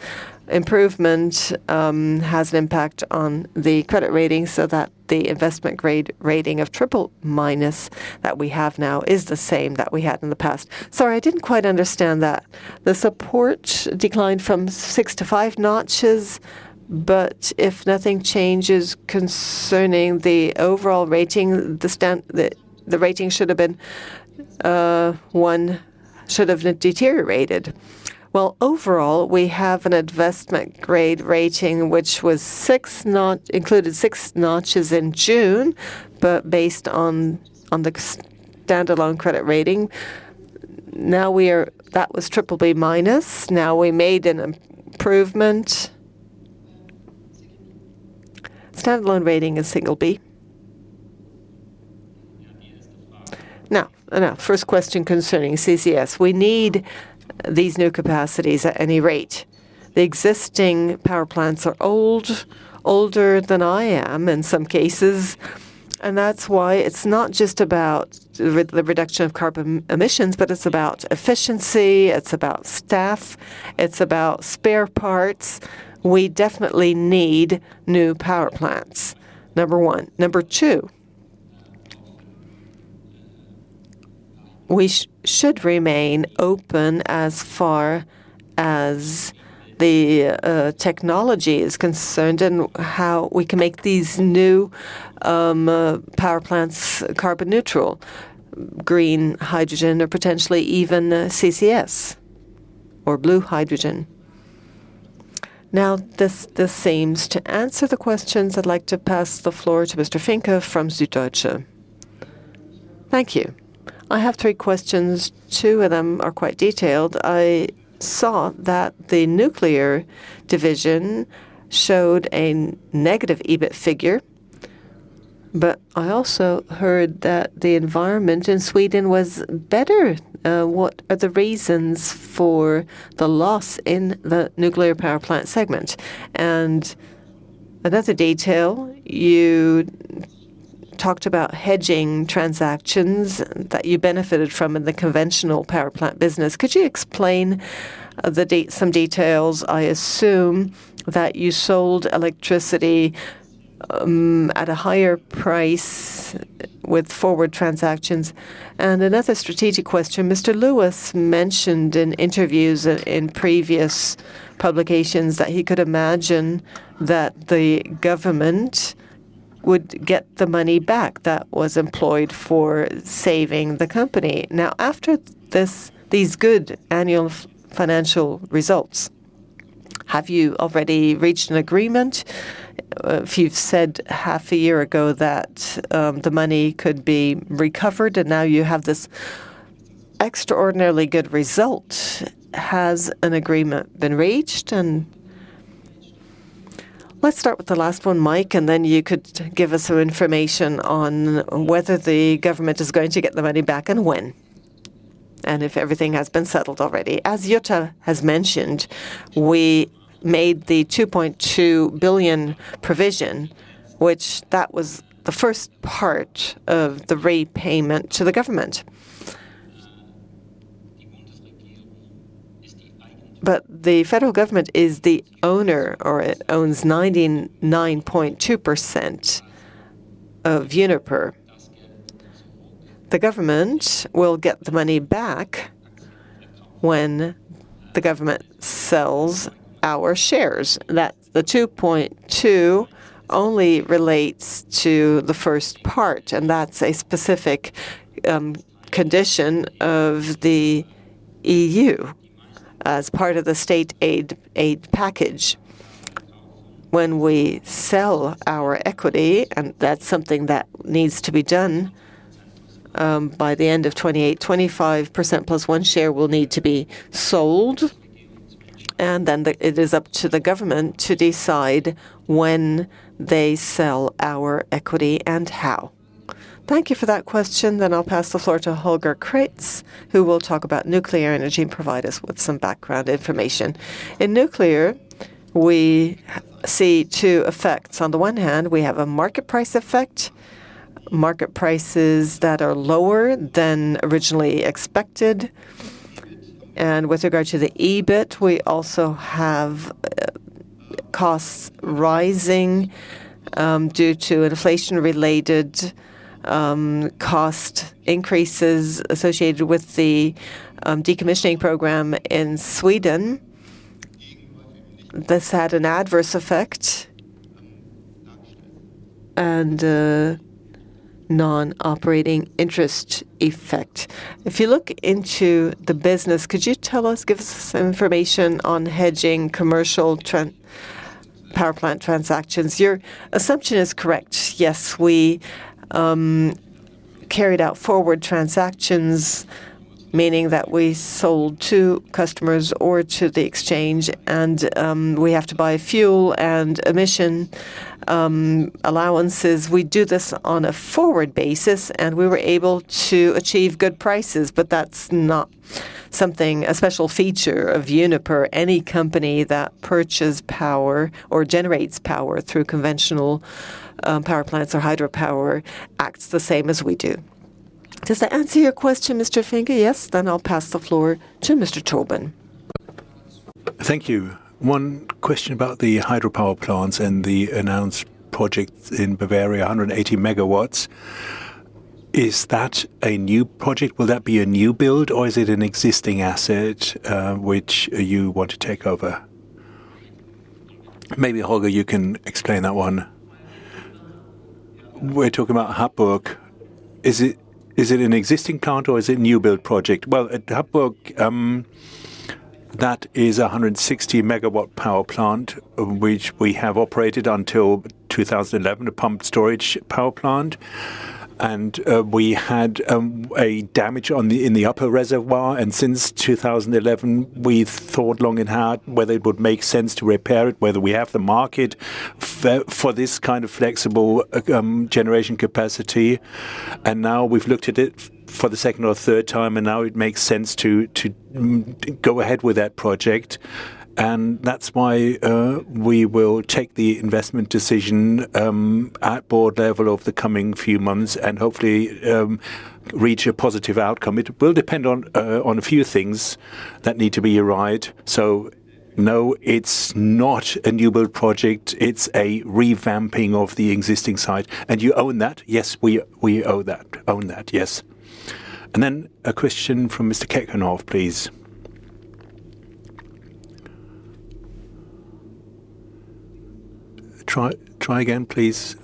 Speaker 3: improvement has an impact on the credit rating so that the investment grade rating of BBB minus that we have now is the same that we had in the past. Sorry, I did not quite understand that. The support declined from six to five notches, but if nothing changes concerning the overall rating, the rating should have deteriorated. Overall, we have an investment grade rating which included six notches in June, but based on the stand-alone credit rating, that was BBB minus. Now, we made an improvement. Stand-alone rating is BB. Now, first question concerning CCS. We need these new capacities at any rate. The existing power plants are older than I am in some cases, and that is why it is not just about the reduction of carbon emissions, but it is about efficiency. It is about staff. It is about spare parts. We definitely need new power plants, number one. Number two, we should remain open as far as the technology is concerned and how we can make these new power plants carbon neutral, green hydrogen, or potentially even CCS or blue hydrogen. Now, this seems to answer the questions. I would like to pass the floor to Mr. Finken from Süddeutsche.
Speaker 8: Thank you. I have three questions. Two of them are quite detailed. I saw that the nuclear division showed a negative EBIT figure, but I also heard that the environment in Sweden was better. What are the reasons for the loss in the nuclear power plant segment? And another detail, you talked about hedging transactions that you benefited from in the conventional power plant business. Could you explain some details? I assume that you sold electricity at a higher price with forward transactions. And another strategic question. Mr. Lewis mentioned in interviews in previous publications that he could imagine that the government would get the money back that was employed for saving the company. Now, after these good annual financial results, have you already reached an agreement? If you have said half a year ago that the money could be recovered and now you have this extraordinarily good result, has an agreement been reached? Let us start with the last one, Mike, and then you could give us some information on whether the government is going to get the money back and when, and if everything has been settled already.
Speaker 2: As Jutta has mentioned, we made the $2.2 billion provision, which that was the first part of the repayment to the government. But the Federal Government is the owner, or it owns 99.2% of Uniper. The government will get the money back when the government sells our shares. The $2.2 billion only relates to the first part, and that is a specific condition of the EU as part of the state aid package. When we sell our equity, and that is something that needs to be done, by the end of 2028, 25% plus one share will need to be sold, and then it is up to the government to decide when they sell our equity and how. Thank you for that question. I will pass the floor to Holger Kreetz, who will talk about nuclear energy and provide us with some background information.
Speaker 5: In nuclear, we see two effects. On the one hand, we have a market price effect. Market prices that are lower than originally expected. With regard to the EBIT, we also have costs rising due to inflation-related cost increases associated with the decommissioning program in Sweden. This had an adverse effect and non-operating interest effect. If you look into the business, could you tell us, give us some information on hedging commercial power plant transactions? Your assumption is correct. Yes, we carried out forward transactions, meaning that we sold to customers or to the exchange, and we have to buy fuel and emission allowances. We do this on a forward basis, and we were able to achieve good prices, but that is not something, a special feature of Uniper. Any company that purchases power or generates power through conventional power plants or hydropower acts the same as we do. Does that answer your question, Mr. Finke?
Speaker 8: Yes?
Speaker 1: Then I will pass the floor to Mr. Tobin.
Speaker 8: Thank you. One question about the hydropower plants and the announced project in Bavaria, 180 megawatts. Is that a new project? Will that be a new build, or is it an existing asset which you want to take over?
Speaker 2: Maybe, Holger, you can explain that one.
Speaker 5: We are talking about Happurg. Is it an existing plant, or is it a new build project? At Happurg, that is a 160 megawatt power plant which we have operated until 2011, a pumped storage power plant. We had a damage in the upper reservoir, and since 2011, we thought long and hard whether it would make sense to repair it, whether we have the market for this kind of flexible generation capacity. Now we have looked at it for the second or third time, and now it makes sense to go ahead with that project. That is why we will take the investment decision at board level over the coming few months and hopefully reach a positive outcome. It will depend on a few things that need to be right. No, it is not a new build project. It is a revamping of the existing site.
Speaker 8: And you own that?
Speaker 5: Yes, we own that. Own that, yes.
Speaker 1: Then a question from Mr. Käckenhoff, please. Try again, please.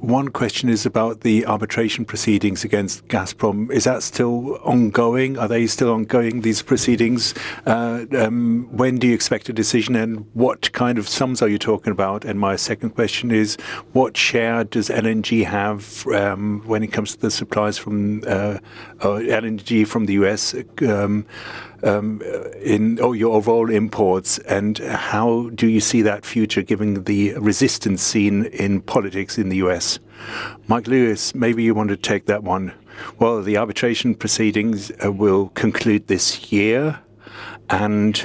Speaker 8: One question is about the arbitration proceedings against Gazprom. Is that still ongoing? Are they still ongoing, these proceedings? When do you expect a decision, and what kind of sums are you talking about? My second question is, what share does LNG have when it comes to the supplies from LNG from the US or your overall imports? How do you see that future given the resistance seen in politics in the US? Mike Lewis, maybe you want to take that one.
Speaker 2: The arbitration proceedings will conclude this year, and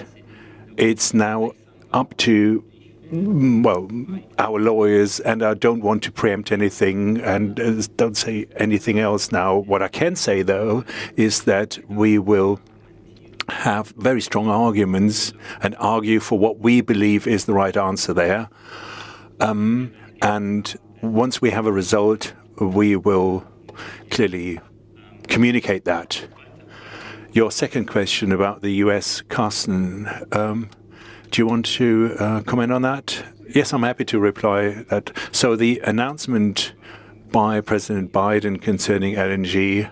Speaker 2: it is now up to our lawyers, and I do not want to preempt anything and do not say anything else now. What I can say, though, is that we will have very strong arguments and argue for what we believe is the right answer there. Once we have a result, we will clearly communicate that. Your second question about the US Carsten, do you want to comment on that? Yes, I am happy to reply. The announcement by President Biden concerning LNG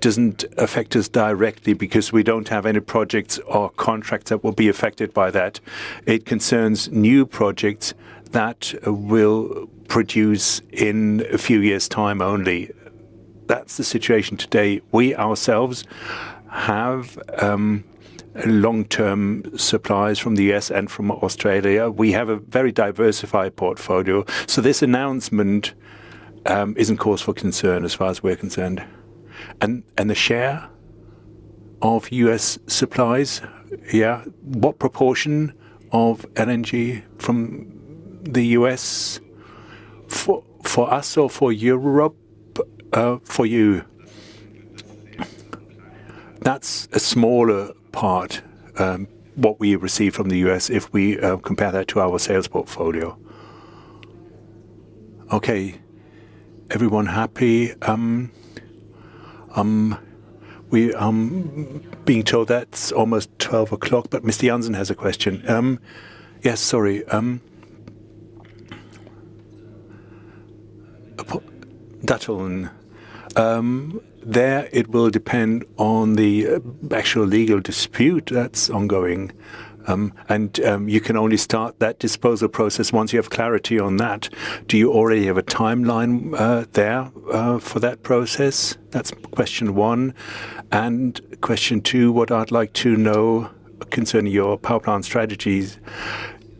Speaker 2: does not affect us directly because we do not have any projects or contracts that will be affected by that. It concerns new projects that will produce in a few years' time only. That is the situation today. We ourselves have long-term supplies from the US and from Australia. We have a very diversified portfolio. This announcement is, of course, of concern as far as we are concerned. And the share of US supplies, yeah? What proportion of LNG from the US for us or for Europe? For you. That is a smaller part what we receive from the US if we compare that to our sales portfolio. Okay. Everyone happy? We are being told that is almost 12 o'clock, but Mr. Janssen has a question.
Speaker 8: Yes, sorry. Datteln. There, it will depend on the actual legal dispute that is ongoing. You can only start that disposal process once you have clarity on that. Do you already have a timeline there for that process? That is question one. Question two, what I would like to know concerning your power plant strategies.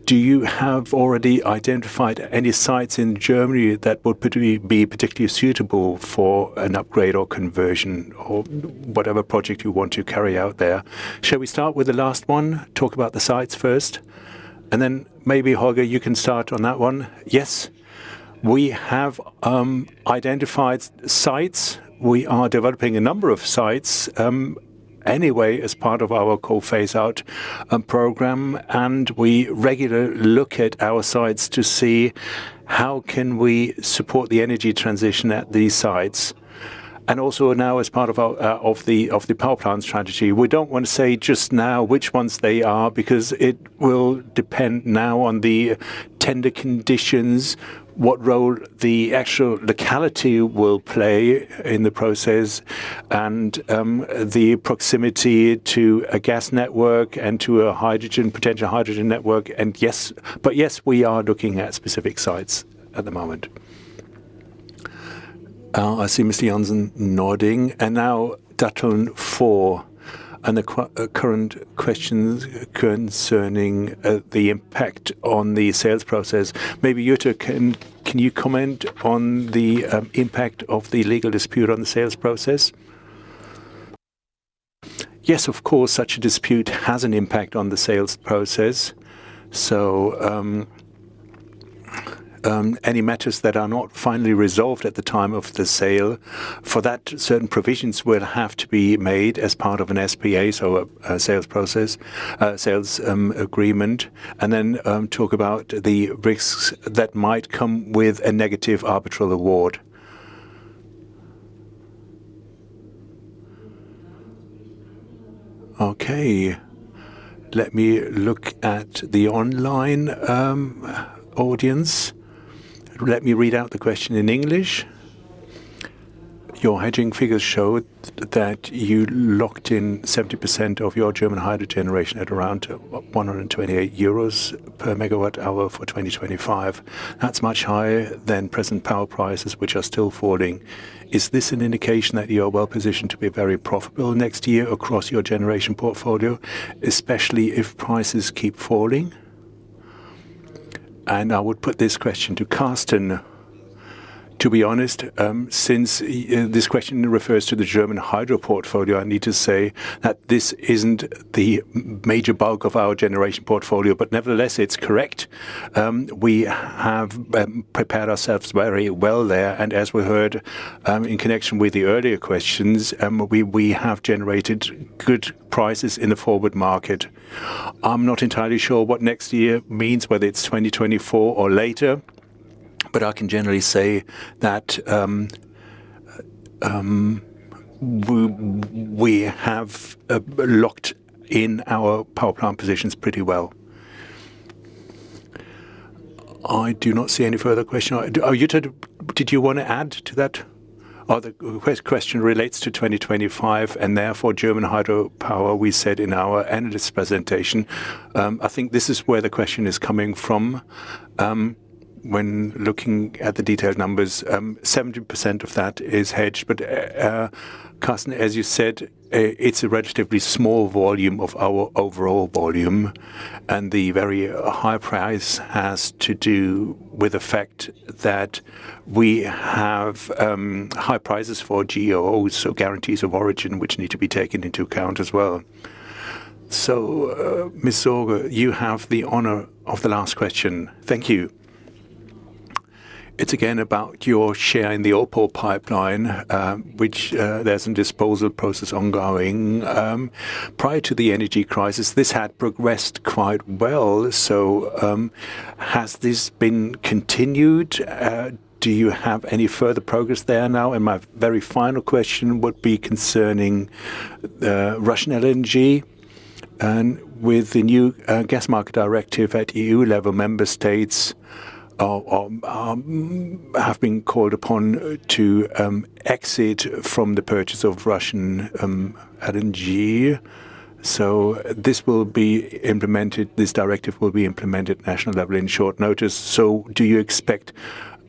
Speaker 8: Do you have already identified any sites in Germany that would be particularly suitable for an upgrade or conversion or whatever project you want to carry out there?
Speaker 2: Shall we start with the last one? Talk about the sites first? Maybe, Holger, you can start on that one. Yes. We have identified sites. We are developing a number of sites anyway as part of our Coal Phase Out program, and we regularly look at our sites to see how we can support the energy transition at these sites. Also now, as part of the power plant strategy, we do not want to say just now which ones they are because it will depend now on the tender conditions, what role the actual locality will play in the process, and the proximity to a gas network and to a potential hydrogen network. But yes, we are looking at specific sites at the moment. I see Mr. Janssen nodding. Now, Datteln four, and the current questions concerning the impact on the sales process. Maybe, Jutta, can you comment on the impact of the legal dispute on the sales process?
Speaker 5: Yes, of course. Such a dispute has an impact on the sales process. So any matters that are not finally resolved at the time of the sale, for that, certain provisions will have to be made as part of an SPA, so a sales agreement, and then talk about the risks that might come with a negative arbitral award.
Speaker 1: Okay. Let me look at the online audience. Let me read out the question in English. Your hedging figures show that you locked in 70% of your German hydrogen generation at around €128 per megawatt hour for 2025. That is much higher than present power prices, which are still falling. Is this an indication that you are well-positioned to be very profitable next year across your generation portfolio, especially if prices keep falling? I would put this question to Carsten.
Speaker 4: To be honest, since this question refers to the German hydro portfolio, I need to say that this is not the major bulk of our generation portfolio, but nevertheless, it is correct. We have prepared ourselves very well there, and as we heard in connection with the earlier questions, we have generated good prices in the forward market. I am not entirely sure what next year means, whether it is 2024 or later, but I can generally say that we have locked in our power plant positions pretty well.
Speaker 2: I do not see any further questions. Jutta, did you want to add to that? The question relates to 2025 and therefore German hydropower, we said in our analyst presentation. I think this is where the question is coming from when looking at the detailed numbers. 70% of that is hedged, but Carsten, as you said, it is a relatively small volume of our overall volume, and the very high price has to do with the fact that we have high prices for GOOs, so guarantees of origin, which need to be taken into account as well. So, Ms. Sorge, you have the honour of the last question. Thank you.
Speaker 8: It is again about your share in the OPAL pipeline, which there is a disposal process ongoing. Prior to the energy crisis, this had progressed quite well, so has this been continued? Do you have any further progress there now? And my very final question would be concerning Russian LNG. With the new gas market directive at EU level, member states have been called upon to exit from the purchase of Russian LNG. This directive will be implemented at the national level on short notice. Do you expect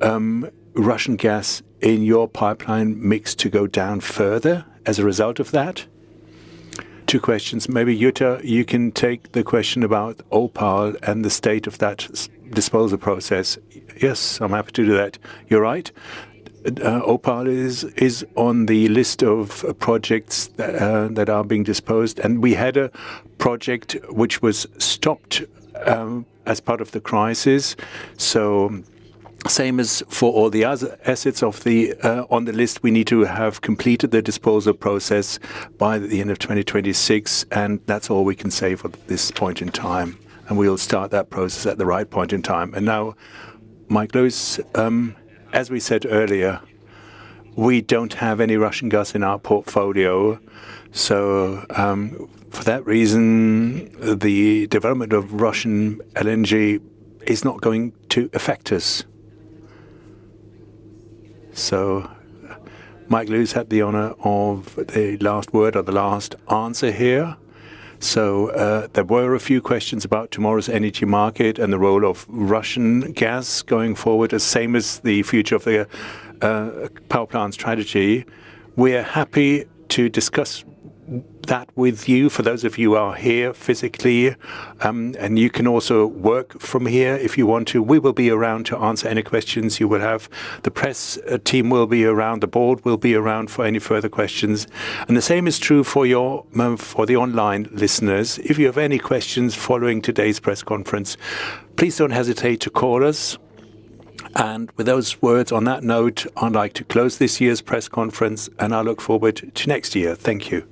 Speaker 8: Russian gas in your pipeline mix to go down further as a result of that? Two questions. Maybe, Jutta, you can take the question about OPAL and the state of that disposal process.
Speaker 5: Yes, I am happy to do that. You are right. OPAL is on the list of projects that are being disposed, and we had a project which was stopped as part of the crisis. Same as for all the other assets on the list, we need to have completed the disposal process by the end of 2026, and that is all we can say for this point in time. We will start that process at the right point in time. Now, Mike Lewis, as we said earlier, we do not have any Russian gas in our portfolio, so for that reason, the development of Russian LNG is not going to affect us. Mike Lewis had the honor of the last word or the last answer here.
Speaker 2: There were a few questions about tomorrow's energy market and the role of Russian gas going forward, same as the future of the power plant strategy. We are happy to discuss that with you, for those of you who are here physically, and you can also work from here if you want to. We will be around to answer any questions you will have. The press team will be around, the board will be around for any further questions. The same is true for the online listeners. If you have any questions following today's press conference, please do not hesitate to call us. With those words, on that note, I would like to close this year's press conference, and I look forward to next year. Thank you.